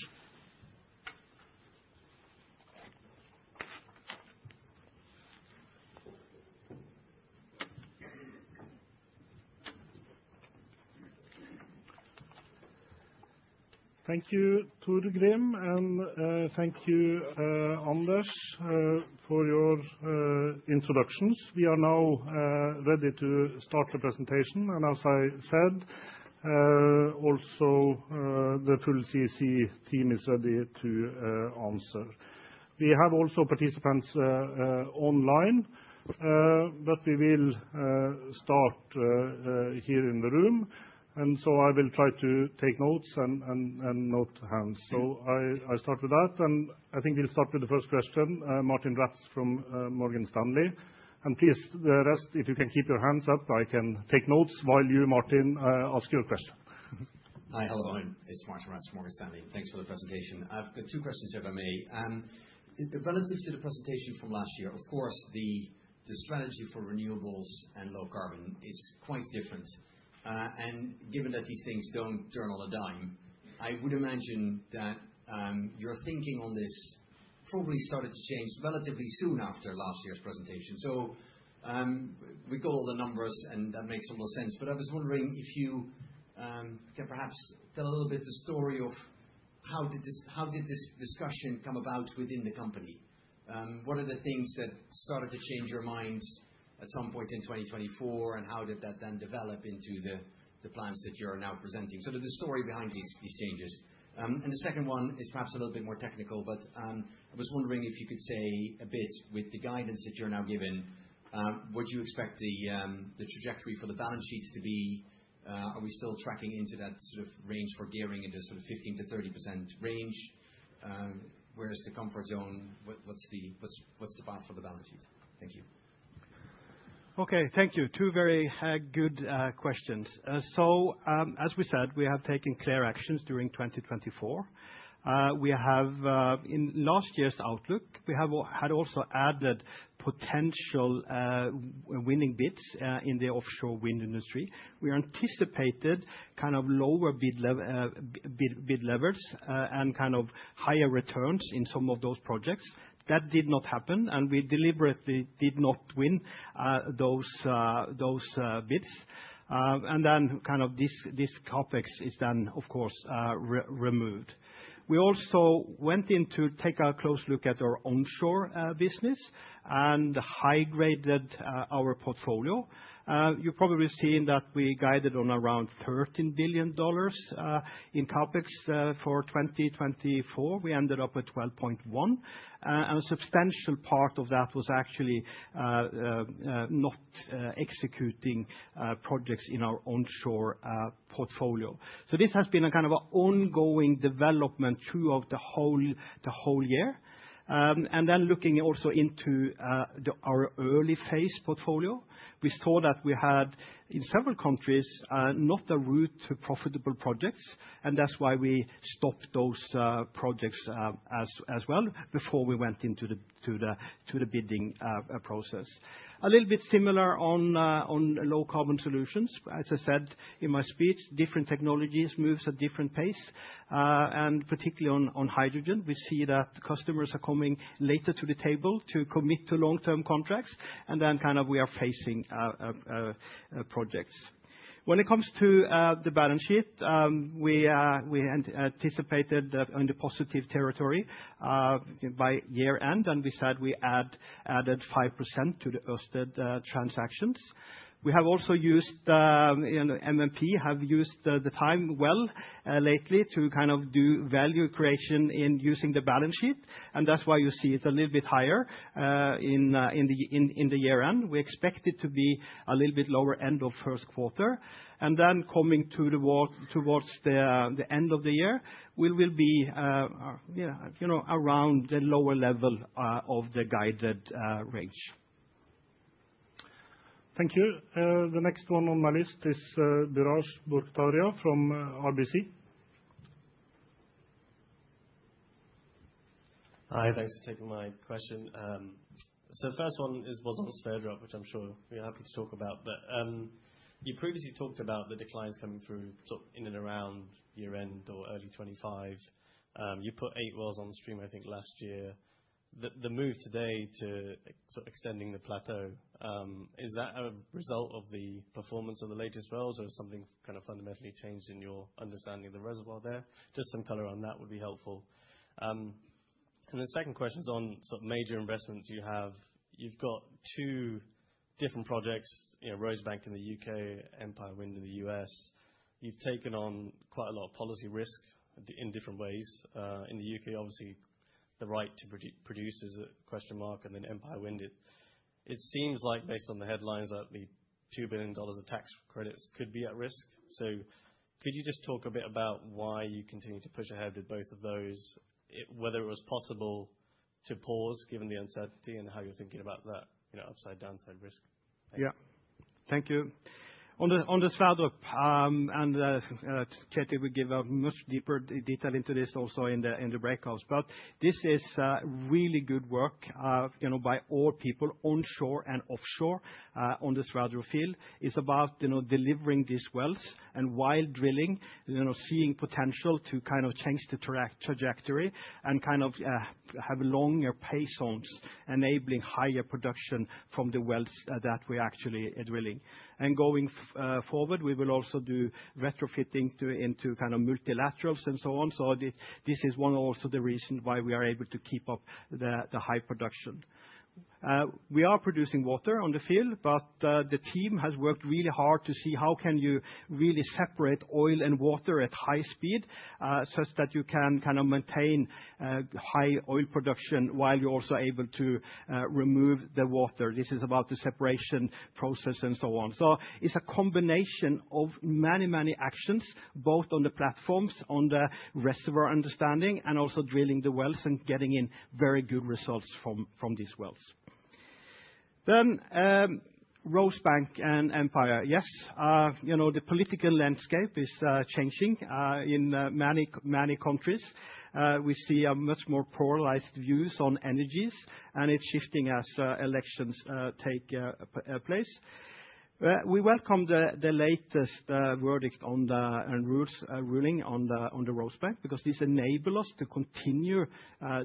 Thank you, Torgrim, and thank you, Anders, for your introductions. We are now ready to start the presentation. And as I said, also the full CEC team is ready to answer. We have also participants online, but we will start here in the room. And so I will try to take notes and note hands. So I start with that, and I think we'll start with the first question, Martijn Rats from Morgan Stanley. And please, rest, if you can keep your hands up, I can take notes while you, Martijn, ask your question. Hi, hello. It's Martijn Rats from Morgan Stanley. Thanks for the presentation. I've got two questions here, if I may. Relative to the presentation from last year, of course, the strategy for renewables and low carbon is quite different. And given that these things don't turn on a dime, I would imagine that your thinking on this probably started to change relatively soon after last year's presentation. So we got all the numbers, and that makes a lot of sense. But I was wondering if you can perhaps tell a little bit the story of how did this discussion come about within the company? What are the things that started to change your mind at some point in 2024, and how did that then develop into the plans that you're now presenting? So the story behind these changes. And the second one is perhaps a little bit more technical, but I was wondering if you could say a bit with the guidance that you're now given, would you expect the trajectory for the balance sheet to be? Are we still tracking into that sort of range for gearing in the sort of 15%-30% range? Where's the comfort zone? What's the path for the balance sheet? Thank you. Okay, thank you. Two very good questions. So, as we said, we have taken clear actions during 2024. In last year's outlook, we had also added potential winning bids in the offshore wind industry. We anticipated kind of lower bid levels and kind of higher returns in some of those projects. That did not happen, and we deliberately did not win those bids, and then kind of this CapEx is then, of course, removed. We also went in to take a close look at our onshore business and high-graded our portfolio. You've probably seen that we guided on around $13 billion in CapEx for 2024. We ended up at $12.1 billion, and a substantial part of that was actually not executing projects in our onshore portfolio, so this has been a kind of ongoing development throughout the whole year, and then looking also into our early phase portfolio, we saw that we had, in several countries, not a route to profitable projects, and that's why we stopped those projects as well before we went into the bidding process. A little bit similar on low carbon solutions. As I said in my speech, different technologies move at different pace, and particularly on hydrogen, we see that customers are coming later to the table to commit to long-term contracts, and then kind of we are facing projects. When it comes to the balance sheet, we anticipated in the positive territory by year-end, and we said we added 5% to the Ørsted transactions. We have also used MMP, have used the time well lately to kind of do value creation in using the balance sheet, and that's why you see it's a little bit higher in the year-end. We expect it to be a little bit lower end of first quarter, and then coming towards the end of the year, we will be around the lower level of the guided range. Thank you. The next one on my list is Biraj Borkhataria from RBC. Hi, thanks for taking my question. So the first one was on Sverdrup, which I'm sure we're happy to talk about. But you previously talked about the declines coming through in and around year-end or early 2025. You put eight wells on stream, I think, last year. The move today to extending the plateau, is that a result of the performance of the latest wells, or is something kind of fundamentally changed in your understanding of the reservoir there? Just some color on that would be helpful. And the second question is on sort of major investments you have. You've got two different projects, Rosebank in the U.K., Empire Wind in the U.S. You've taken on quite a lot of policy risk in different ways. In the U.K., obviously, the right to produce is a question mark, and then Empire Wind. It seems like based on the headlines that the $2 billion of tax credits could be at risk. So could you just talk a bit about why you continue to push ahead with both of those, whether it was possible to pause given the uncertainty and how you're thinking about that upside-downside risk? Yeah, thank you. On the Sverdrup, Kjetil we give a much deeper detail into this also in the breakouts. But this is really good work by all people onshore and offshore on the Sverdrup field. It's about delivering these wells and while drilling, seeing potential to kind of change the trajectory and kind of have longer pay zones, enabling higher production from the wells that we're actually drilling. And going forward, we will also do retrofitting into kind of multilaterals and so on. So this is one also the reason why we are able to keep up the high production. We are producing water on the field, but the team has worked really hard to see how can you really separate oil and water at high speed such that you can kind of maintain high oil production while you're also able to remove the water. This is about the separation process and so on. So it's a combination of many, many actions, both on the platforms, on the reservoir understanding, and also drilling the wells and getting in very good results from these wells. Then Rosebank and Empire, yes. The political landscape is changing in many countries. We see much more polarized views on energies, and it's shifting as elections take place. We welcome the latest verdict on the ruling on the Rosebank because this enables us to continue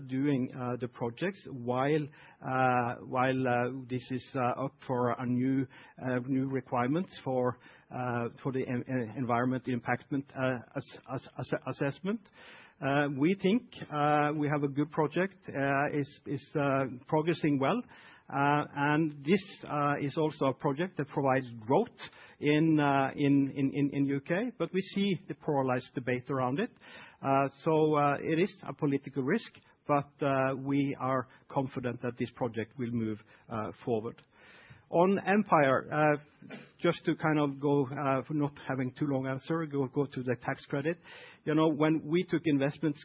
doing the projects while this is up for new requirements for the environmental impact assessment. We think we have a good project. It's progressing well. And this is also a project that provides growth in the U.K., but we see the polarized debate around it. So it is a political risk, but we are confident that this project will move forward. On Empire, just to kind of go not having too long answer, go to the tax credit. When we took investment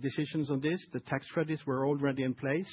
decisions on this, the tax credits were already in place.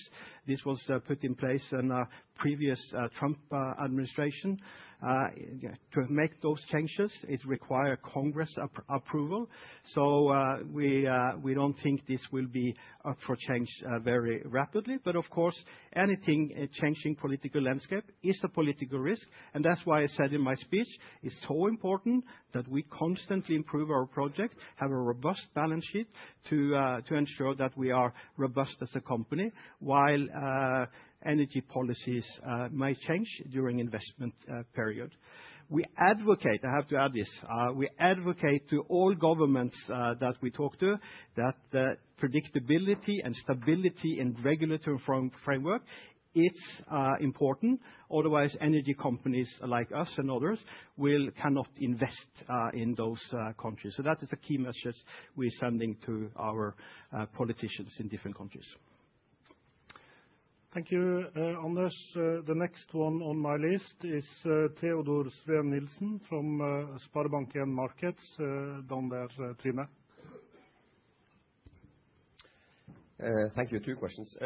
This was put in place in a previous Trump administration. To make those changes, it requires Congress approval. So we don't think this will be up for change very rapidly. But of course, anything changing political landscape is a political risk. And that's why I said in my speech, it's so important that we constantly improve our project, have a robust balance sheet to ensure that we are robust as a company while energy policies may change during the investment period. We advocate, I have to add this, we advocate to all governments that we talk to that predictability and stability in regulatory framework, it's important. Otherwise, energy companies like us and others cannot invest in those countries. So that is a key message we're sending to our politicians in different countries. Thank you, Anders. The next one on my list is Teodor Sveen-Nilsen from SpareBank 1 Markets. [audio distortion] Thank you. Two questions.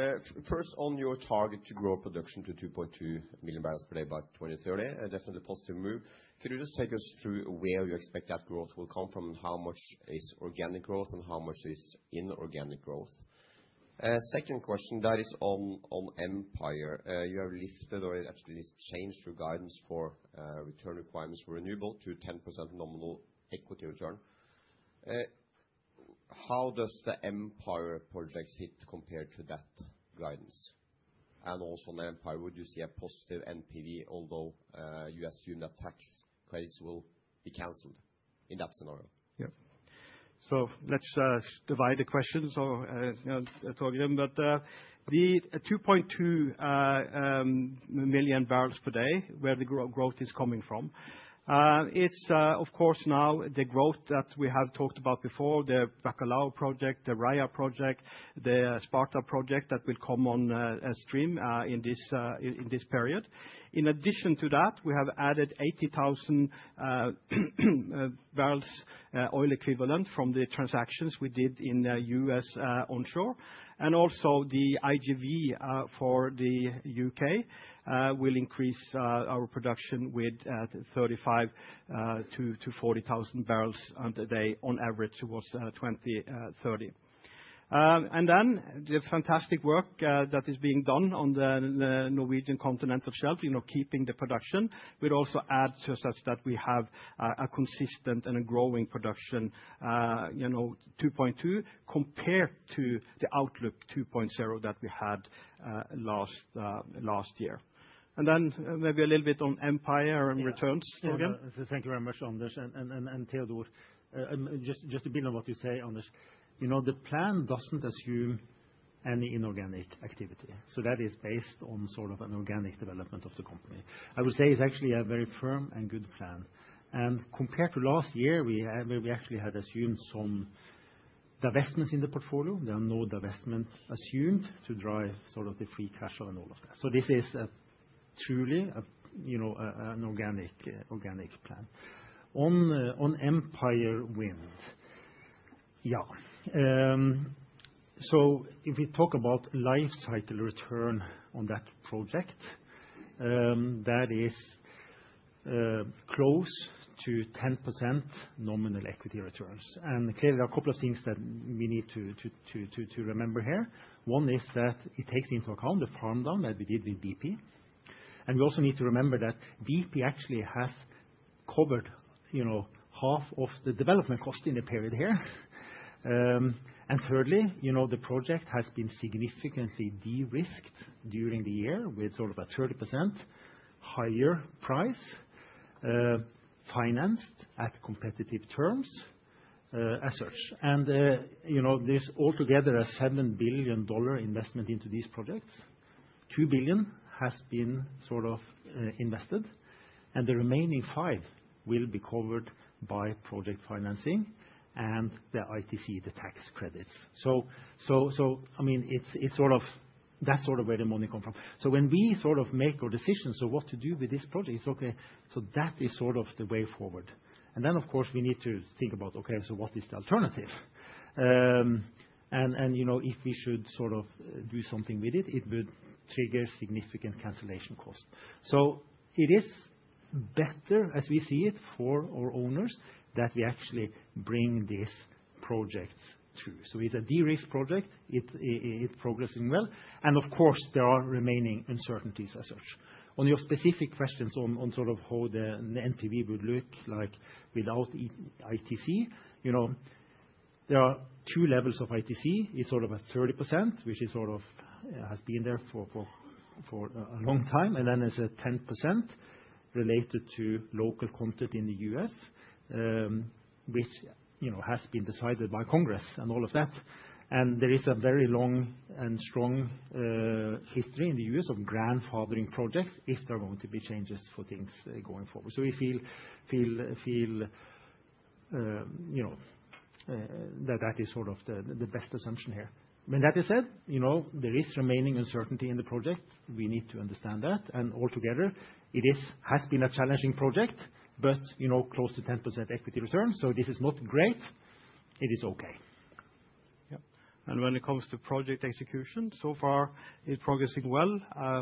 First, on your target to grow production to 2.2 MMbpd by 2030, definitely a positive move. Could you just take us through where you expect that growth will come from and how much is organic growth and how much is inorganic growth? Second question, that is on Empire. You have lifted or actually changed your guidance for return requirements for renewable to 10% nominal equity return. How does the Empire project sit compared to that guidance? And also on Empire, would you see a positive NPV, although you assume that tax credits will be canceled in that scenario? So let's divide the questions or talk them. But the 2.2 MMbpd, where the growth is coming from, it's of course now the growth that we have talked about before, the Bacalhau project, the Raia project, the Sparta project that will come on stream in this period. In addition to that, we have added 80,000 bbl of oil equivalent from the transactions we did in the U.S. onshore. Also, the IJV for the U.K. will increase our production with 35,000 bbl-40,000 bbl a day on average towards 2030. Then, the fantastic work that is being done on the Norwegian Continental Shelf, keeping the production, would also add to such that we have a consistent and a growing production 2.2 MMbpd compared to the outlook 2.0 MMbpd that we had last year. Then, maybe a little bit on Empire and returns. Thank you very much, Anders and Teodor. Just to build on what you say, Anders, the plan doesn't assume any inorganic activity. So that is based on sort of an organic development of the company. I would say it's actually a very firm and good plan. Compared to last year, we actually had assumed some divestments in the portfolio. There are no divestments assumed to drive sort of the free cash and all of that. This is truly an organic plan. On Empire Wind, yeah. If we talk about life cycle return on that project, that is close to 10% nominal equity returns. Clearly, there are a couple of things that we need to remember here. One is that it takes into account the farm down that we did with BP. We also need to remember that BP actually has covered half of the development cost in the period here. Thirdly, the project has been significantly de-risked during the year with sort of a 30% higher price financed at competitive terms as such. There's altogether a $7 billion investment into these projects. $2 billion has been sort of invested, and the remaining $5 billion will be covered by project financing and the ITC, the tax credits, so I mean, that's sort of where the money comes from, so when we sort of make our decisions of what to do with this project, it's okay, so that is sort of the way forward and then, of course, we need to think about, okay, so what is the alternative? And if we should sort of do something with it, it would trigger significant cancellation costs, so it is better, as we see it, for our owners that we actually bring these projects through, so it's a de-risk project. It's progressing well and of course, there are remaining uncertainties as such. On your specific questions on sort of how the NPV would look like without ITC, there are two levels of ITC. It's sort of a 30%, which sort of has been there for a long time. And then there's a 10% related to local content in the U.S., which has been decided by Congress and all of that. And there is a very long and strong history in the U.S. of grandfathering projects if there are going to be changes for things going forward. So we feel that that is sort of the best assumption here. I mean, that said, there is remaining uncertainty in the project. We need to understand that. And altogether, it has been a challenging project, but close to 10% equity return. So this is not great. It is okay. Yeah. And when it comes to project execution, so far, it's progressing well.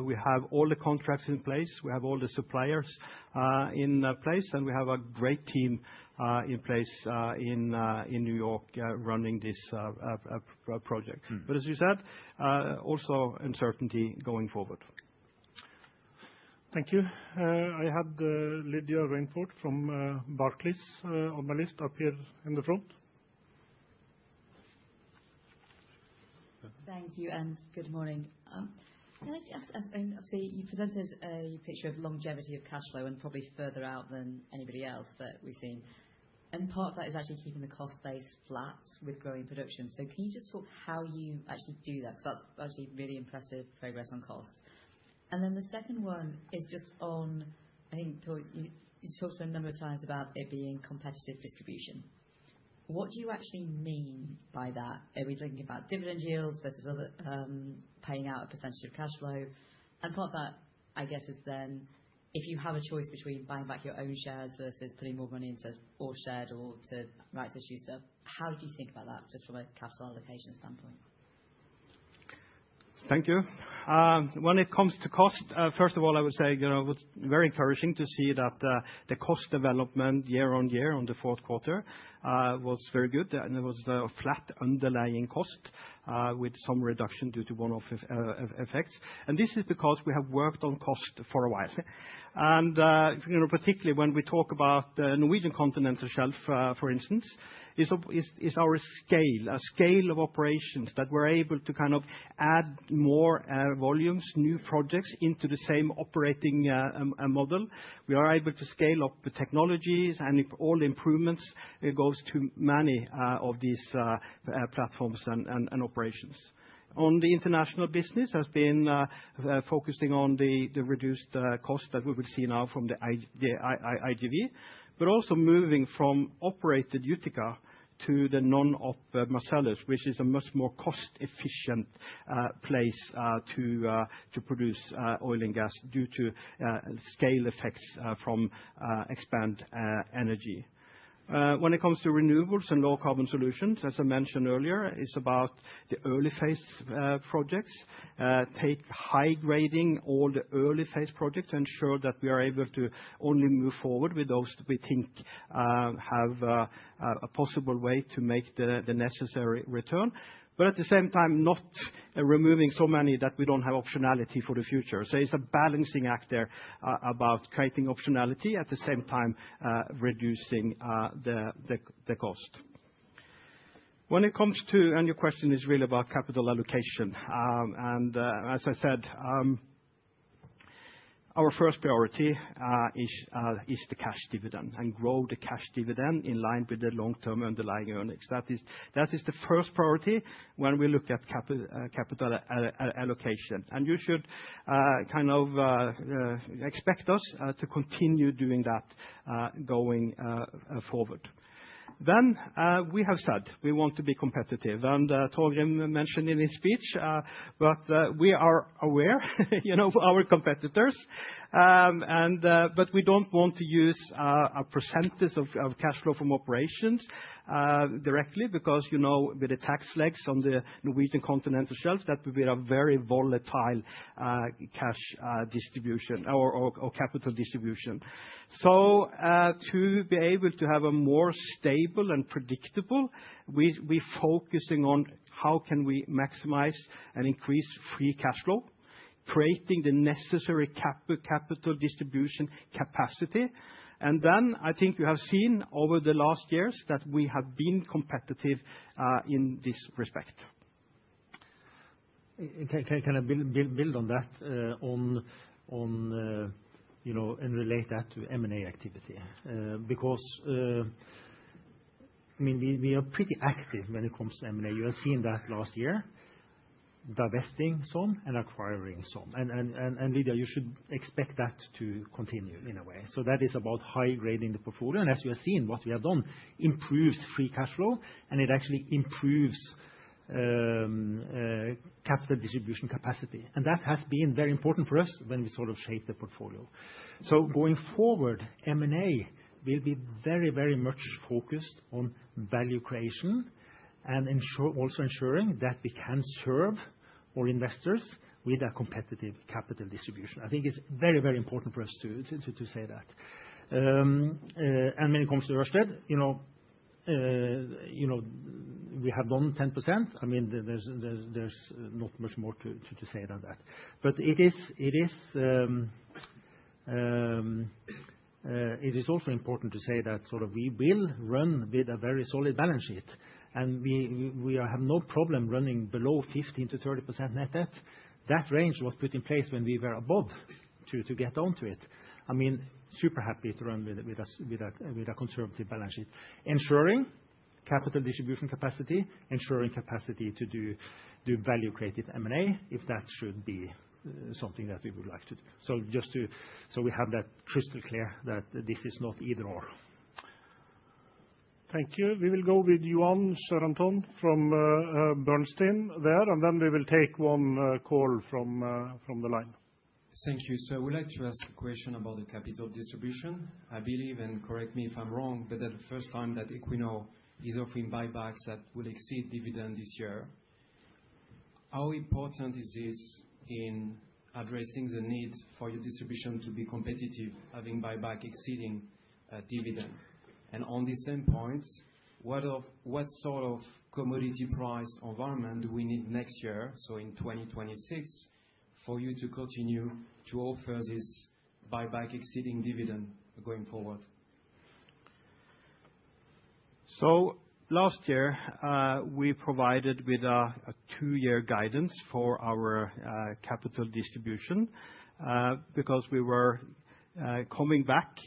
We have all the contracts in place. We have all the suppliers in place, and we have a great team in place in New York running this project, but as you said, also uncertainty going forward. Thank you. I had Lydia Rainforth from Barclays on my list up here in the front. Thank you, and good morning. I'd like to ask, obviously. You presented a picture of longevity of cash flow and probably further out than anybody else that we've seen, and part of that is actually keeping the cost base flat with growing production. So can you just talk how you actually do that? Because that's actually really impressive progress on costs. And then the second one is just on, I think you talked to a number of times about it being competitive distribution. What do you actually mean by that? Are we thinking about dividend yields versus paying out a percentage of cash flow? Part of that, I guess, is then if you have a choice between buying back your own shares versus putting more money into our shares or a rights issue stuff. How do you think about that just from a capital allocation standpoint? Thank you. When it comes to cost, first of all, I would say it was very encouraging to see that the cost development year on year on the fourth quarter was very good. There was a flat underlying cost with some reduction due to one-off effects. This is because we have worked on cost for a while. Particularly when we talk about the Norwegian Continental Shelf, for instance, is our scale, a scale of operations that we're able to kind of add more volumes, new projects into the same operating model. We are able to scale up the technologies and all the improvements go to many of these platforms and operations. On the international business, has been focusing on the reduced cost that we will see now from the IJV, but also moving from operated Utica to the non-op Marcellus, which is a much more cost-efficient place to produce oil and gas due to scale effects from Expand Energy. When it comes to renewables and low carbon solutions, as I mentioned earlier, it's about the early phase projects. Take high grading all the early phase projects to ensure that we are able to only move forward with those that we think have a possible way to make the necessary return. But at the same time, not removing so many that we don't have optionality for the future. So it's a balancing act there about creating optionality at the same time reducing the cost. When it comes to, and your question is really about capital allocation. And as I said, our first priority is the cash dividend and grow the cash dividend in line with the long-term underlying earnings. That is the first priority when we look at capital allocation. And you should kind of expect us to continue doing that going forward. Then we have said we want to be competitive. And Torgrim mentioned in his speech, but we are aware of our competitors. But we don't want to use a percentage of cash flow from operations directly because with the tax lags on the Norwegian Continental Shelf, that would be a very volatile cash distribution or capital distribution. So, to be able to have a more stable and predictable, we're focusing on how can we maximize and increase free cash flow, creating the necessary capital distribution capacity. And then I think you have seen over the last years that we have been competitive in this respect. Can I build on that and relate that to M&A activity? Because I mean, we are pretty active when it comes to M&A. You have seen that last year, divesting some and acquiring some. And Lydia, you should expect that to continue in a way. So that is about high grading the portfolio. And as you have seen, what we have done improves free cash flow, and it actually improves capital distribution capacity. And that has been very important for us when we sort of shaped the portfolio. So going forward, M&A will be very, very much focused on value creation and also ensuring that we can serve our investors with a competitive capital distribution. I think it's very, very important for us to say that. And when it comes to Ørsted, we have done 10%. I mean, there's not much more to say than that. But it is also important to say that sort of we will run with a very solid balance sheet. And we have no problem running below 15%-30% net debt. That range was put in place when we were above to get onto it. I mean, super happy to run with a conservative balance sheet. Ensuring capital distribution capacity, ensuring capacity to do value-creative M&A if that should be something that we would like to do. So we have that crystal clear that this is not either/or. Thank you. We will go with Yoann Charenton from Bernstein there, and then we will take one call from the line. Thank you. I would like to ask a question about the capital distribution. I believe, and correct me if I'm wrong, but that the first time that Equinor is offering buybacks that will exceed dividend this year. How important is this in addressing the need for your distribution to be competitive, having buyback exceeding dividend? And on the same point, what sort of commodity price environment do we need next year, so in 2026, for you to continue to offer this buyback exceeding dividend going forward? Last year, we provided with a two-year guidance for our capital distribution because we were coming back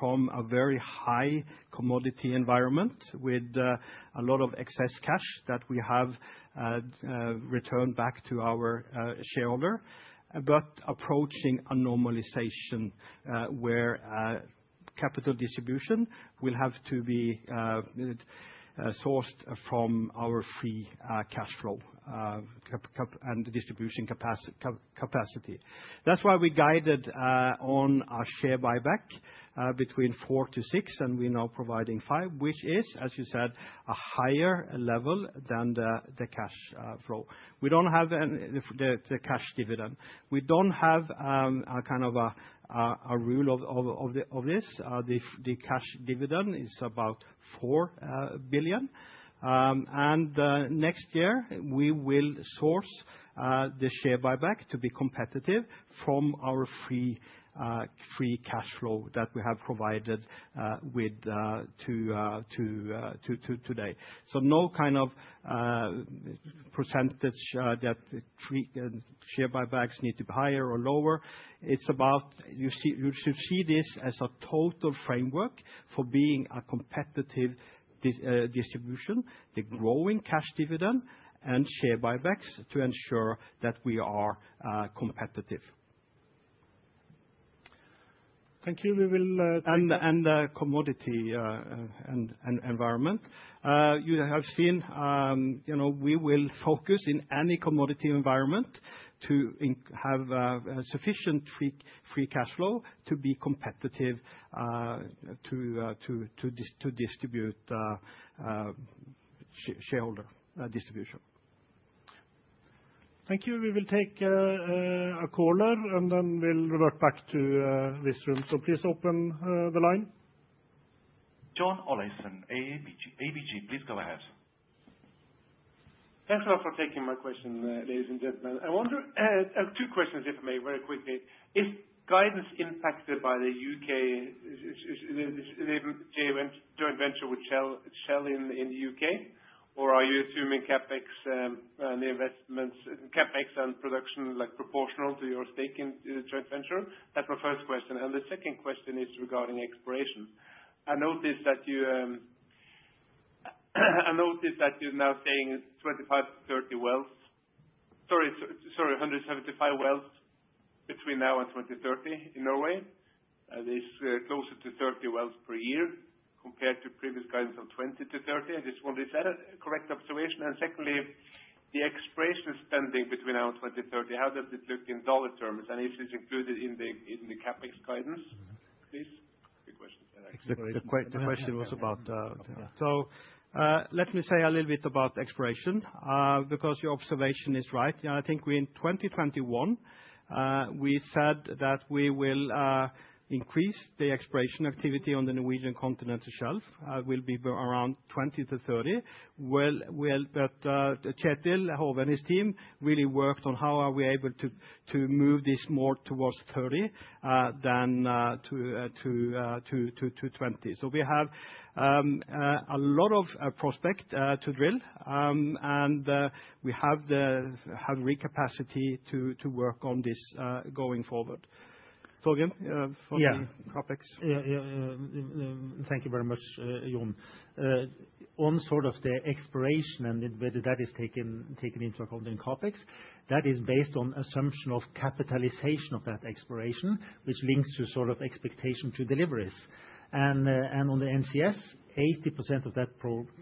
from a very high commodity environment with a lot of excess cash that we have returned back to our shareholder, but approaching a normalization where capital distribution will have to be sourced from our free cash flow and distribution capacity. That's why we guided on our share buyback between $4 billion-$6 billion, and we're now providing $5 billion, which is, as you said, a higher level than the cash flow. We don't have the cash dividend. We don't have kind of a rule of this. The cash dividend is about $4 billion. Next year, we will source the share buyback to be competitive from our free cash flow that we have provided to today. No kind of percentage that share buybacks need to be higher or lower. It's about you should see this as a total framework for being a competitive distribution, the growing cash dividend, and share buybacks to ensure that we are competitive. Thank you. We will. And the commodity environment. You have seen we will focus in any commodity environment to have sufficient free cash flow to be competitive to distribute shareholder distribution. Thank you. We will take a caller, and then we'll revert back to this room. So please open the line. John Olaisen, ABG. Please go ahead. Thanks a lot for taking my question, ladies and gentlemen. I want to add two questions, if I may, very quickly. Is guidance impacted by the U.K. joint venture with Shell in the U.K., or are you assuming CapEx and production like proportional to your stake in the joint venture? That's my first question. And the second question is regarding expiration. I noticed that you're now saying 25-30 wells. Sorry, 175 wells between now and 2030 in Norway. It's closer to 30 wells per year compared to previous guidance of 20-30. I just wonder if that's a correct observation. And secondly, the exploration spending between now and 2030, how does it look in dollar terms? And if it's included in the CapEx guidance, please. The question was about. So let me say a little bit about exploration because your observation is right. I think in 2021, we said that we will increase the exploration activity on the Norwegian Continental Shelf. It will be around 20-30. But Kjetil Hove and his team really worked on how are we able to move this more towards 30 than to 20. So we have a lot of prospects to drill, and we have the capacity to work on this going forward. Torgrim, on the CapEx? Yeah. Thank you very much, John. On sort of the exploration and whether that is taken into account in CapEx, that is based on assumption of capitalization of that exploration, which links to sort of expectation to deliveries. And on the NCS, 80% of that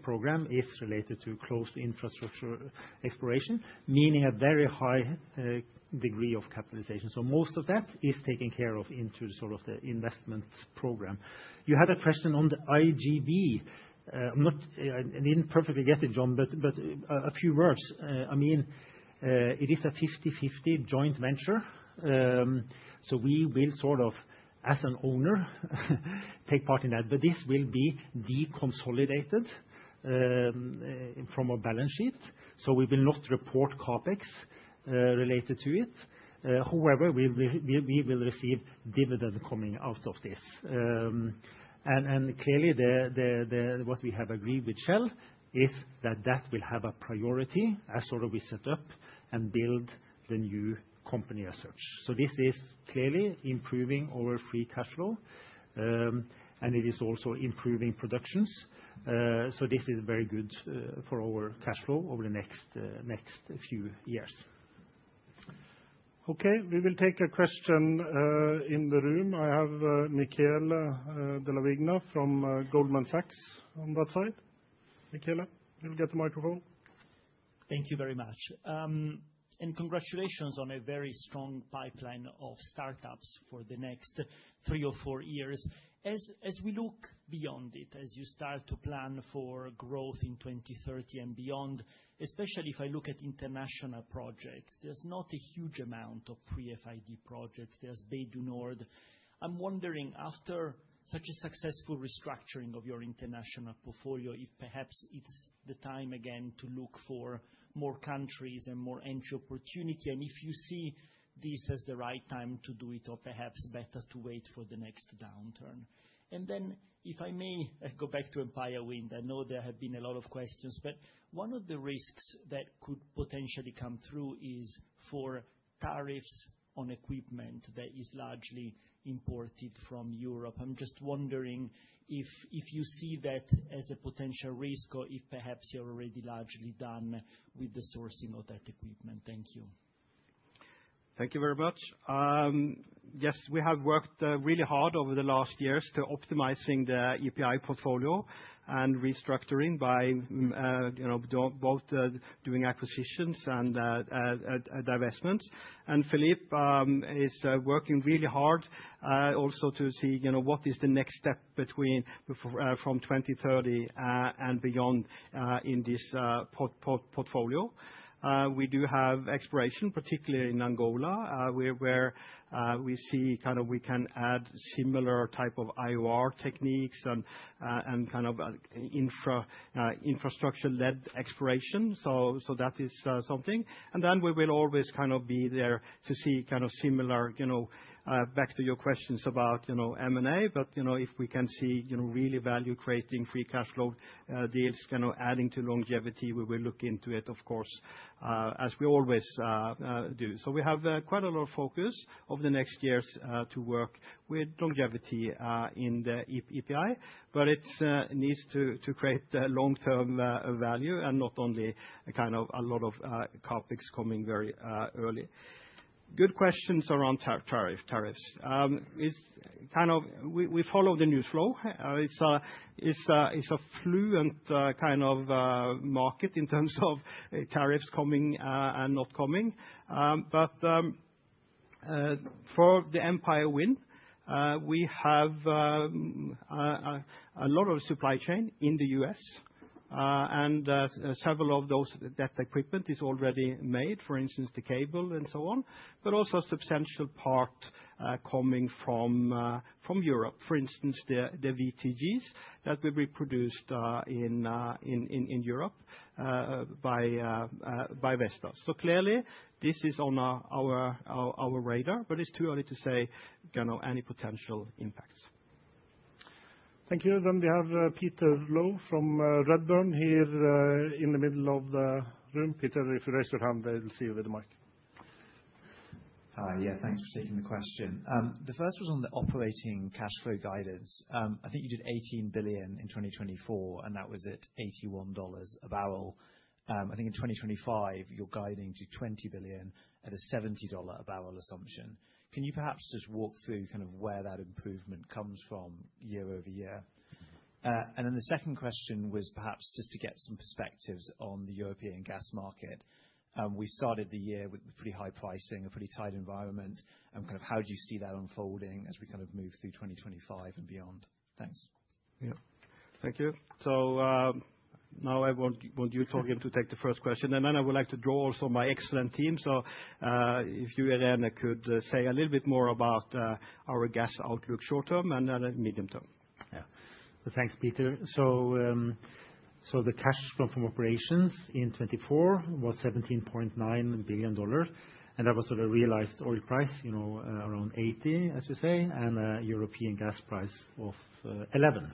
program is related to closed infrastructure depreciation, meaning a very high degree of capitalization. So most of that is taken care of into sort of the investment program. You had a question on the IJV. I didn't perfectly get it, John, but a few words. I mean, it is a 50-50 joint venture. So we will sort of, as an owner, take part in that. But this will be deconsolidated from our balance sheet. So we will not report CapEx related to it. However, we will receive dividend coming out of this. And clearly, what we have agreed with Shell is that that will have a priority as sort of we set up and build the new company structure. So this is clearly improving our free cash flow, and it is also improving production. So this is very good for our cash flow over the next few years. Okay. We will take a question in the room. I have Michele Della Vigna from Goldman Sachs on that side. Michele, you'll get the microphone. Thank you very much. And congratulations on a very strong pipeline of start-ups for the next three or four years. As we look beyond it, as you start to plan for growth in 2030 and beyond, especially if I look at international projects, there's not a huge amount of [pre-FID] projects. There's Bay du Nord. I'm wondering, after such a successful restructuring of your international portfolio, if perhaps it's the time again to look for more countries and more entry opportunity, and if you see this as the right time to do it, or perhaps better to wait for the next downturn. And then, if I may go back to Empire Wind, I know there have been a lot of questions, but one of the risks that could potentially come through is for tariffs on equipment that is largely imported from Europe. I'm just wondering if you see that as a potential risk or if perhaps you're already largely done with the sourcing of that equipment. Thank you. Thank you very much. Yes, we have worked really hard over the last years to optimize the EPI portfolio and restructuring by both doing acquisitions and divestments, and Philippe is working really hard also to see what is the next step from 2030 and beyond in this portfolio. We do have exploration, particularly in Angola, where we see kind of we can add similar type of IOR techniques and kind of infrastructure-led exploration. So that is something, and then we will always kind of be there to see kind of similar back to your questions about M&A, but if we can see really value-creating free cash flow deals kind of adding to longevity, we will look into it, of course, as we always do. We have quite a lot of focus over the next years to work with longevity in the EPI, but it needs to create long-term value and not only kind of a lot of CapEx coming very early. Good questions around tariffs. We follow the news flow. It's a fluent kind of market in terms of tariffs coming and not coming. But for the Empire Wind, we have a lot of supply chain in the U.S., and several of those that equipment is already made, for instance, the cable and so on, but also a substantial part coming from Europe, for instance, the VTGs that will be produced in Europe by Vestas. Clearly, this is on our radar, but it's too early to say any potential impacts. Thank you. Then we have Peter Low from Redburn here in the middle of the room. Peter, if you raise your hand, I will see you with the mic. Yeah, thanks for taking the question. The first was on the operating cash flow guidance. I think you did $18 billion in 2024, and that was at $81 a barrel. I think in 2025, you're guiding to $20 billion at a $70 a barrel assumption. Can you perhaps just walk through kind of where that improvement comes from year-over-year? And then the second question was perhaps just to get some perspectives on the European gas market. We started the year with pretty high pricing, a pretty tight environment. And kind of how do you see that unfolding as we kind of move through 2025 and beyond? Thanks. Yeah. Thank you. So now I want you, Torgrim, to take the first question. And then I would like to draw also my excellent team. So if you, Irene, could say a little bit more about our gas outlook short term and then medium term. Yeah. So thanks, Peter. So the cash flow from operations in 2024 was $17.9 billion, and that was a realized oil price around $80, as you say, and a European gas price of $11.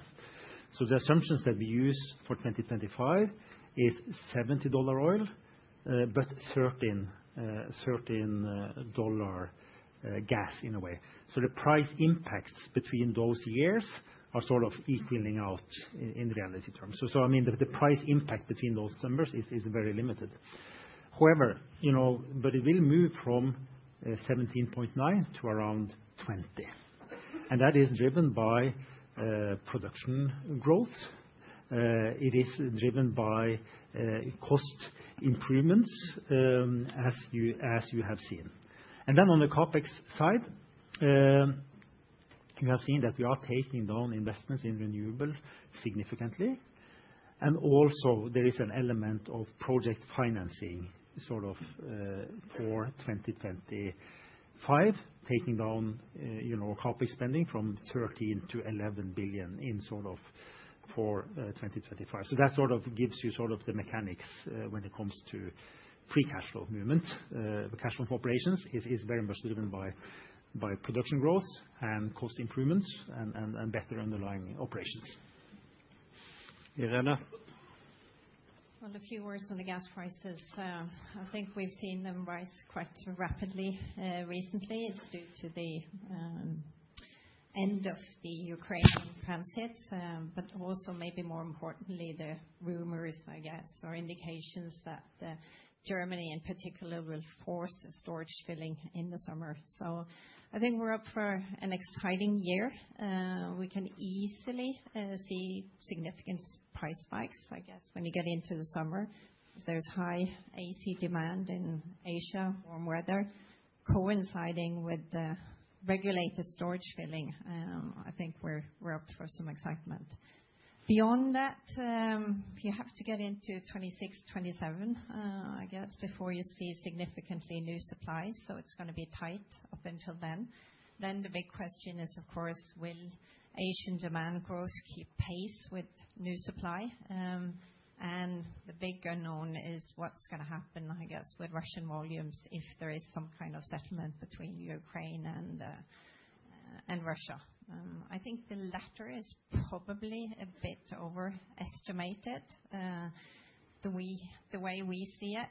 So the assumptions that we use for 2025 is $70 oil, but $13 gas in a way. So the price impacts between those years are sort of equaling out in reality terms. So I mean, the price impact between those numbers is very limited. However, but it will move from $17.9 billion to around $20 billion. And that is driven by production growth. It is driven by cost improvements, as you have seen. And then on the CapEx side, you have seen that we are taking down investments in renewable significantly. Also, there is an element of project financing sort of for 2025, taking down CapEx spending from $13 billion to $11 billion in sort of for 2025. That sort of gives you sort of the mechanics when it comes to free cash flow movement. The cash flow from operations is very much driven by production growth and cost improvements and better underlying operations. A few words on the gas prices. I think we've seen them rise quite rapidly recently. It's due to the end of the Ukraine transit, but also, maybe more importantly, the rumors, I guess, or indications that Germany, in particular, will force storage filling in the summer. I think we're up for an exciting year. We can easily see significant price spikes, I guess, when you get into the summer. There's high AC demand in Asia, warm weather, coinciding with the regulated storage filling. I think we're up for some excitement. Beyond that, you have to get into 2026, 2027, I guess, before you see significantly new supply. So it's going to be tight up until then. Then the big question is, of course, will Asian demand growth keep pace with new supply? And the big unknown is what's going to happen, I guess, with Russian volumes if there is some kind of settlement between Ukraine and Russia. I think the latter is probably a bit overestimated the way we see it.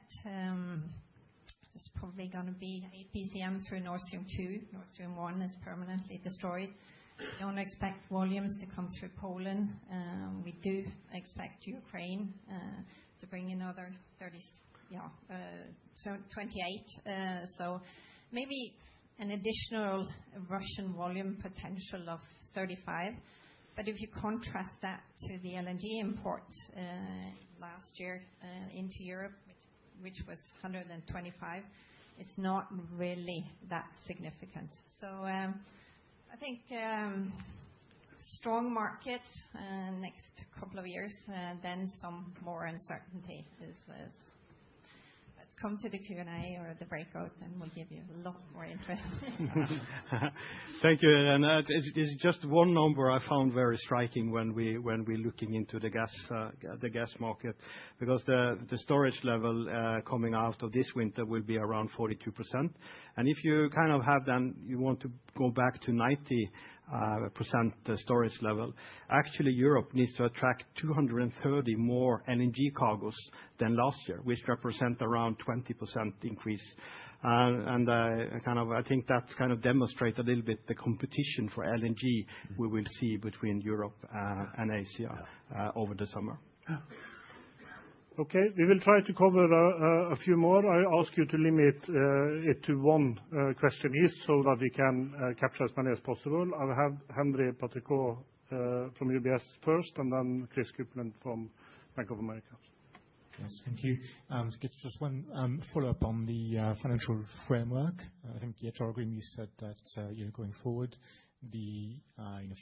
It's probably going to be [27 BCM] through Nord Stream 2. Nord Stream 1 is permanently destroyed. We don't expect volumes to come through Poland. We do expect Ukraine to bring another 28. So maybe an additional Russian volume potential of 35. But if you contrast that to the LNG imports last year into Europe, which was 125, it's not really that significant. So I think strong markets next couple of years, then some more uncertainty is coming to the Q&A or the breakout, and we'll give you a lot more insight. Thank you, Irene. There's just one number I found very striking when we're looking into the gas market because the storage level coming out of this winter will be around 42%. And if you kind of have then, you want to go back to 90% storage level. Actually, Europe needs to attract 230 more LNG cargoes than last year, which represents around 20% increase. And kind of I think that kind of demonstrates a little bit the competition for LNG we will see between Europe and Asia over the summer. Okay. We will try to cover a few more. I ask you to limit it to one question so that we can capture as many as possible. I have Henri Patricot from UBS first, and then Chris Kuplent from Bank of America. Yes, thank you. Just one follow-up on the financial framework. I think, Torgrim, you said that going forward, the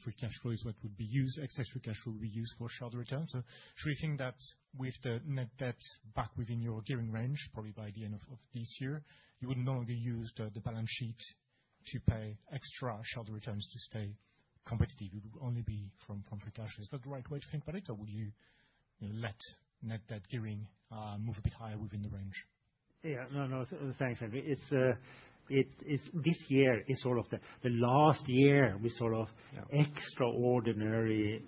free cash flow is what would be used, excess free cash flow would be used for shareholder returns. So do you think that with the net debt back within your gearing range, probably by the end of this year, you would no longer use the balance sheet to pay extra shareholder returns to stay competitive? It would only be from free cash. Is that the right way to think about it, or would you let net debt gearing move a bit higher within the range? Yeah, no, no. Thanks, Henri. This year is sort of the last year with sort of extraordinary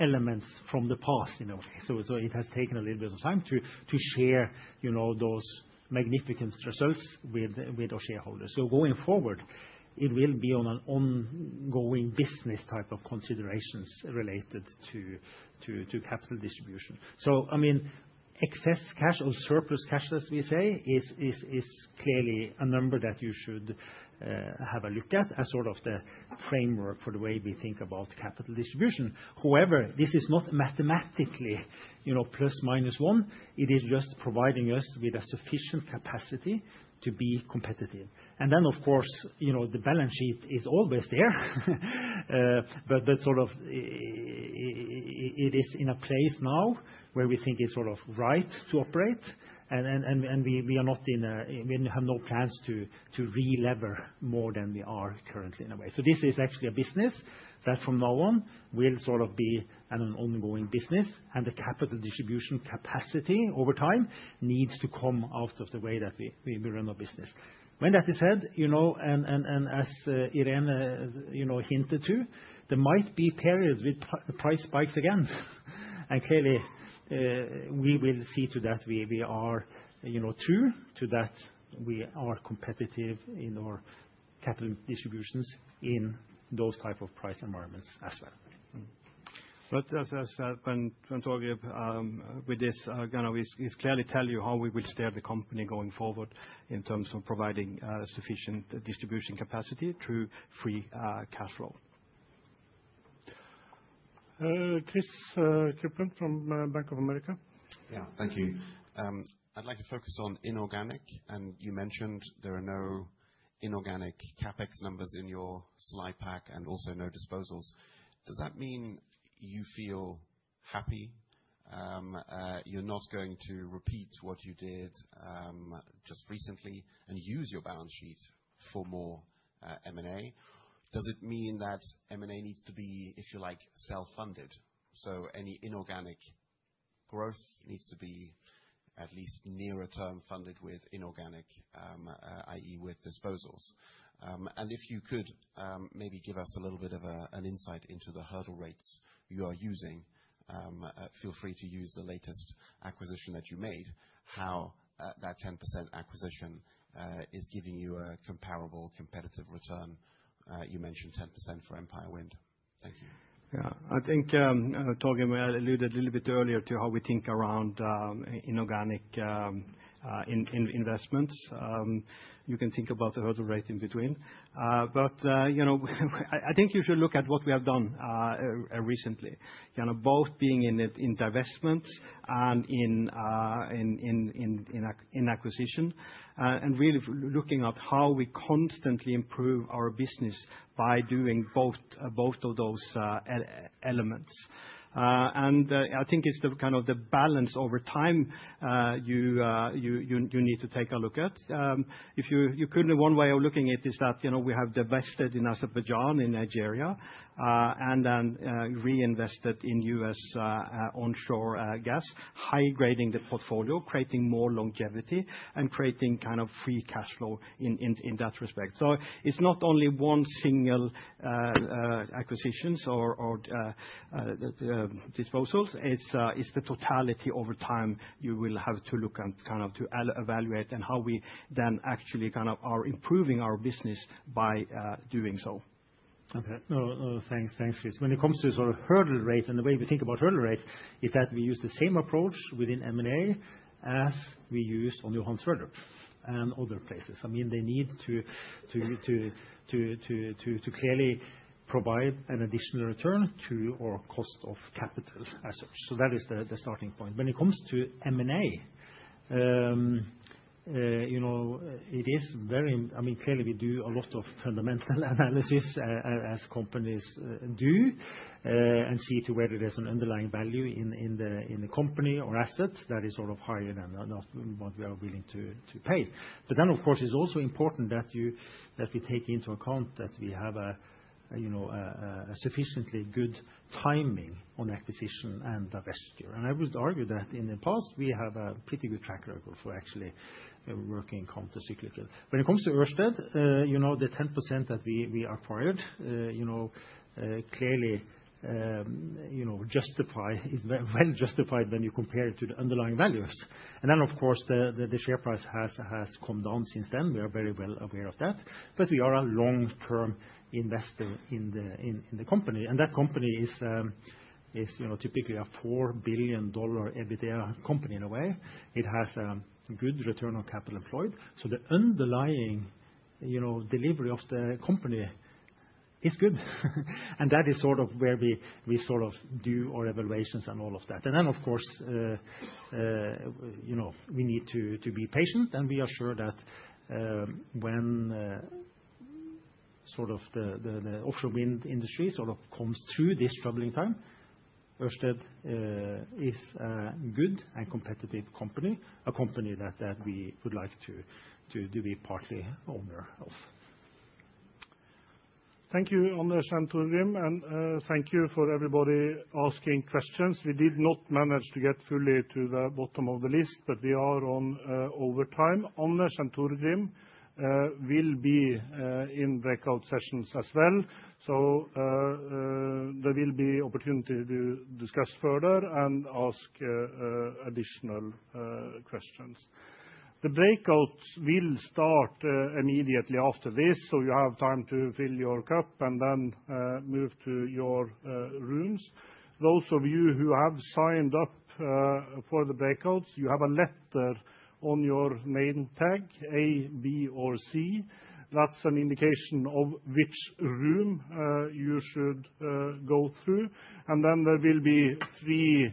elements from the past, in a way. So it has taken a little bit of time to share those magnificent results with our shareholders. So going forward, it will be on an ongoing business type of considerations related to capital distribution. So I mean, excess cash or surplus cash, as we say, is clearly a number that you should have a look at as sort of the framework for the way we think about capital distribution. However, this is not mathematically plus minus one. It is just providing us with a sufficient capacity to be competitive. And then, of course, the balance sheet is always there, but sort of it is in a place now where we think it's sort of right to operate. And we are not. We have no plans to re-lever more than we are currently in a way. So this is actually a business that from now on will sort of be an ongoing business, and the capital distribution capacity over time needs to come out of the way that we run our business. When that is said, and as Irene hinted to, there might be periods with price spikes again. And clearly, we will see to it that we are true to that we are competitive in our capital distributions in those type of price environments as well. But as I said, and Torgrim with this, this is clearly to tell you how we will steer the company going forward in terms of providing sufficient distribution capacity through free cash flow. Chris Kuplent from Bank of America. Yeah, thank you. I'd like to focus on inorganic. You mentioned there are no inorganic CapEx numbers in your slide pack and also no disposals. Does that mean you feel happy you're not going to repeat what you did just recently and use your balance sheet for more M&A? Does it mean that M&A needs to be, if you like, self-funded? So any inorganic growth needs to be at least nearer term funded with inorganic, i.e., with disposals. And if you could maybe give us a little bit of an insight into the hurdle rates you are using, feel free to use the latest acquisition that you made, how that 10% acquisition is giving you a comparable competitive return. You mentioned 10% for Empire Wind. Thank you. Yeah, I think Torgrim alluded a little bit earlier to how we think around inorganic investments. You can think about the hurdle rate in between. But I think you should look at what we have done recently, both being in divestments and in acquisition, and really looking at how we constantly improve our business by doing both of those elements. And I think it's kind of the balance over time you need to take a look at. One way of looking at it is that we have divested in Azerbaijan and Nigeria and then reinvested in U.S. onshore gas, high grading the portfolio, creating more longevity and creating kind of free cash flow in that respect. So it's not only one single acquisitions or disposals. It's the totality over time you will have to look at kind of to evaluate and how we then actually kind of are improving our business by doing so. Okay. No, thanks, Chris.When it comes to sort of hurdle rate and the way we think about hurdle rate, it's that we use the same approach within M&A as we used on Johan Sverdrup and other places. I mean, they need to clearly provide an additional return to our cost of capital as such. So that is the starting point. When it comes to M&A, it is very, I mean, clearly, we do a lot of fundamental analysis as companies do and see whether there's an underlying value in the company or assets that is sort of higher than what we are willing to pay. But then, of course, it's also important that we take into account that we have a sufficiently good timing on acquisition and divestiture, and I would argue that in the past, we have a pretty good track record for actually working counter-cyclically. When it comes to Ørsted, the 10% that we acquired clearly justifies, is well justified when you compare it to the underlying values. And then, of course, the share price has come down since then. We are very well aware of that. But we are a long-term investor in the company. And that company is typically a $4 billion EBITDA company in a way. It has a good return on capital employed. So the underlying delivery of the company is good. And that is sort of where we sort of do our evaluations and all of that. And then, of course, we need to be patient. And we are sure that when sort of the offshore wind industry sort of comes through this troubling time, Ørsted is a good and competitive company, a company that we would like to be partly owner of. Thank you, Anders and Torgrim. And thank you for everybody asking questions. We did not manage to get fully to the bottom of the list, but we are on overtime. Anders and Torgrim will be in breakout sessions as well. So there will be opportunity to discuss further and ask additional questions. The breakout will start immediately after this, so you have time to fill your cup and then move to your rooms. Those of you who have signed up for the breakouts, you have a letter on your name tag, A, B, or C. That's an indication of which room you should go through. And then there will be three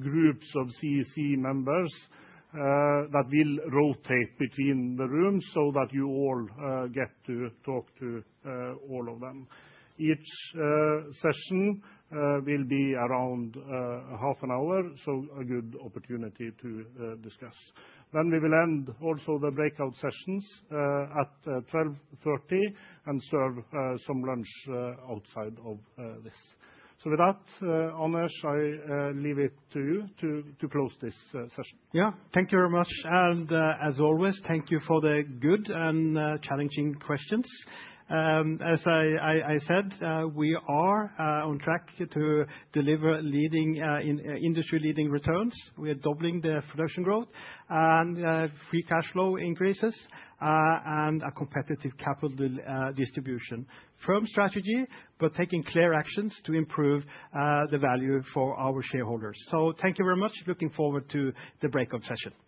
groups of CEC members that will rotate between the rooms so that you all get to talk to all of them. Each session will be around half an hour, so a good opportunity to discuss. Then we will end also the breakout sessions at 12:30 P.M. and serve some lunch outside of this, so with that, Anders, I leave it to you to close this session. Yeah, thank you very much, and as always, thank you for the good and challenging questions. As I said, we are on track to deliver industry-leading returns. We are doubling the production growth and free cash flow increases and a competitive capital distribution framework strategy, but taking clear actions to improve the value for our shareholders, so thank you very much. Looking forward to the breakout session.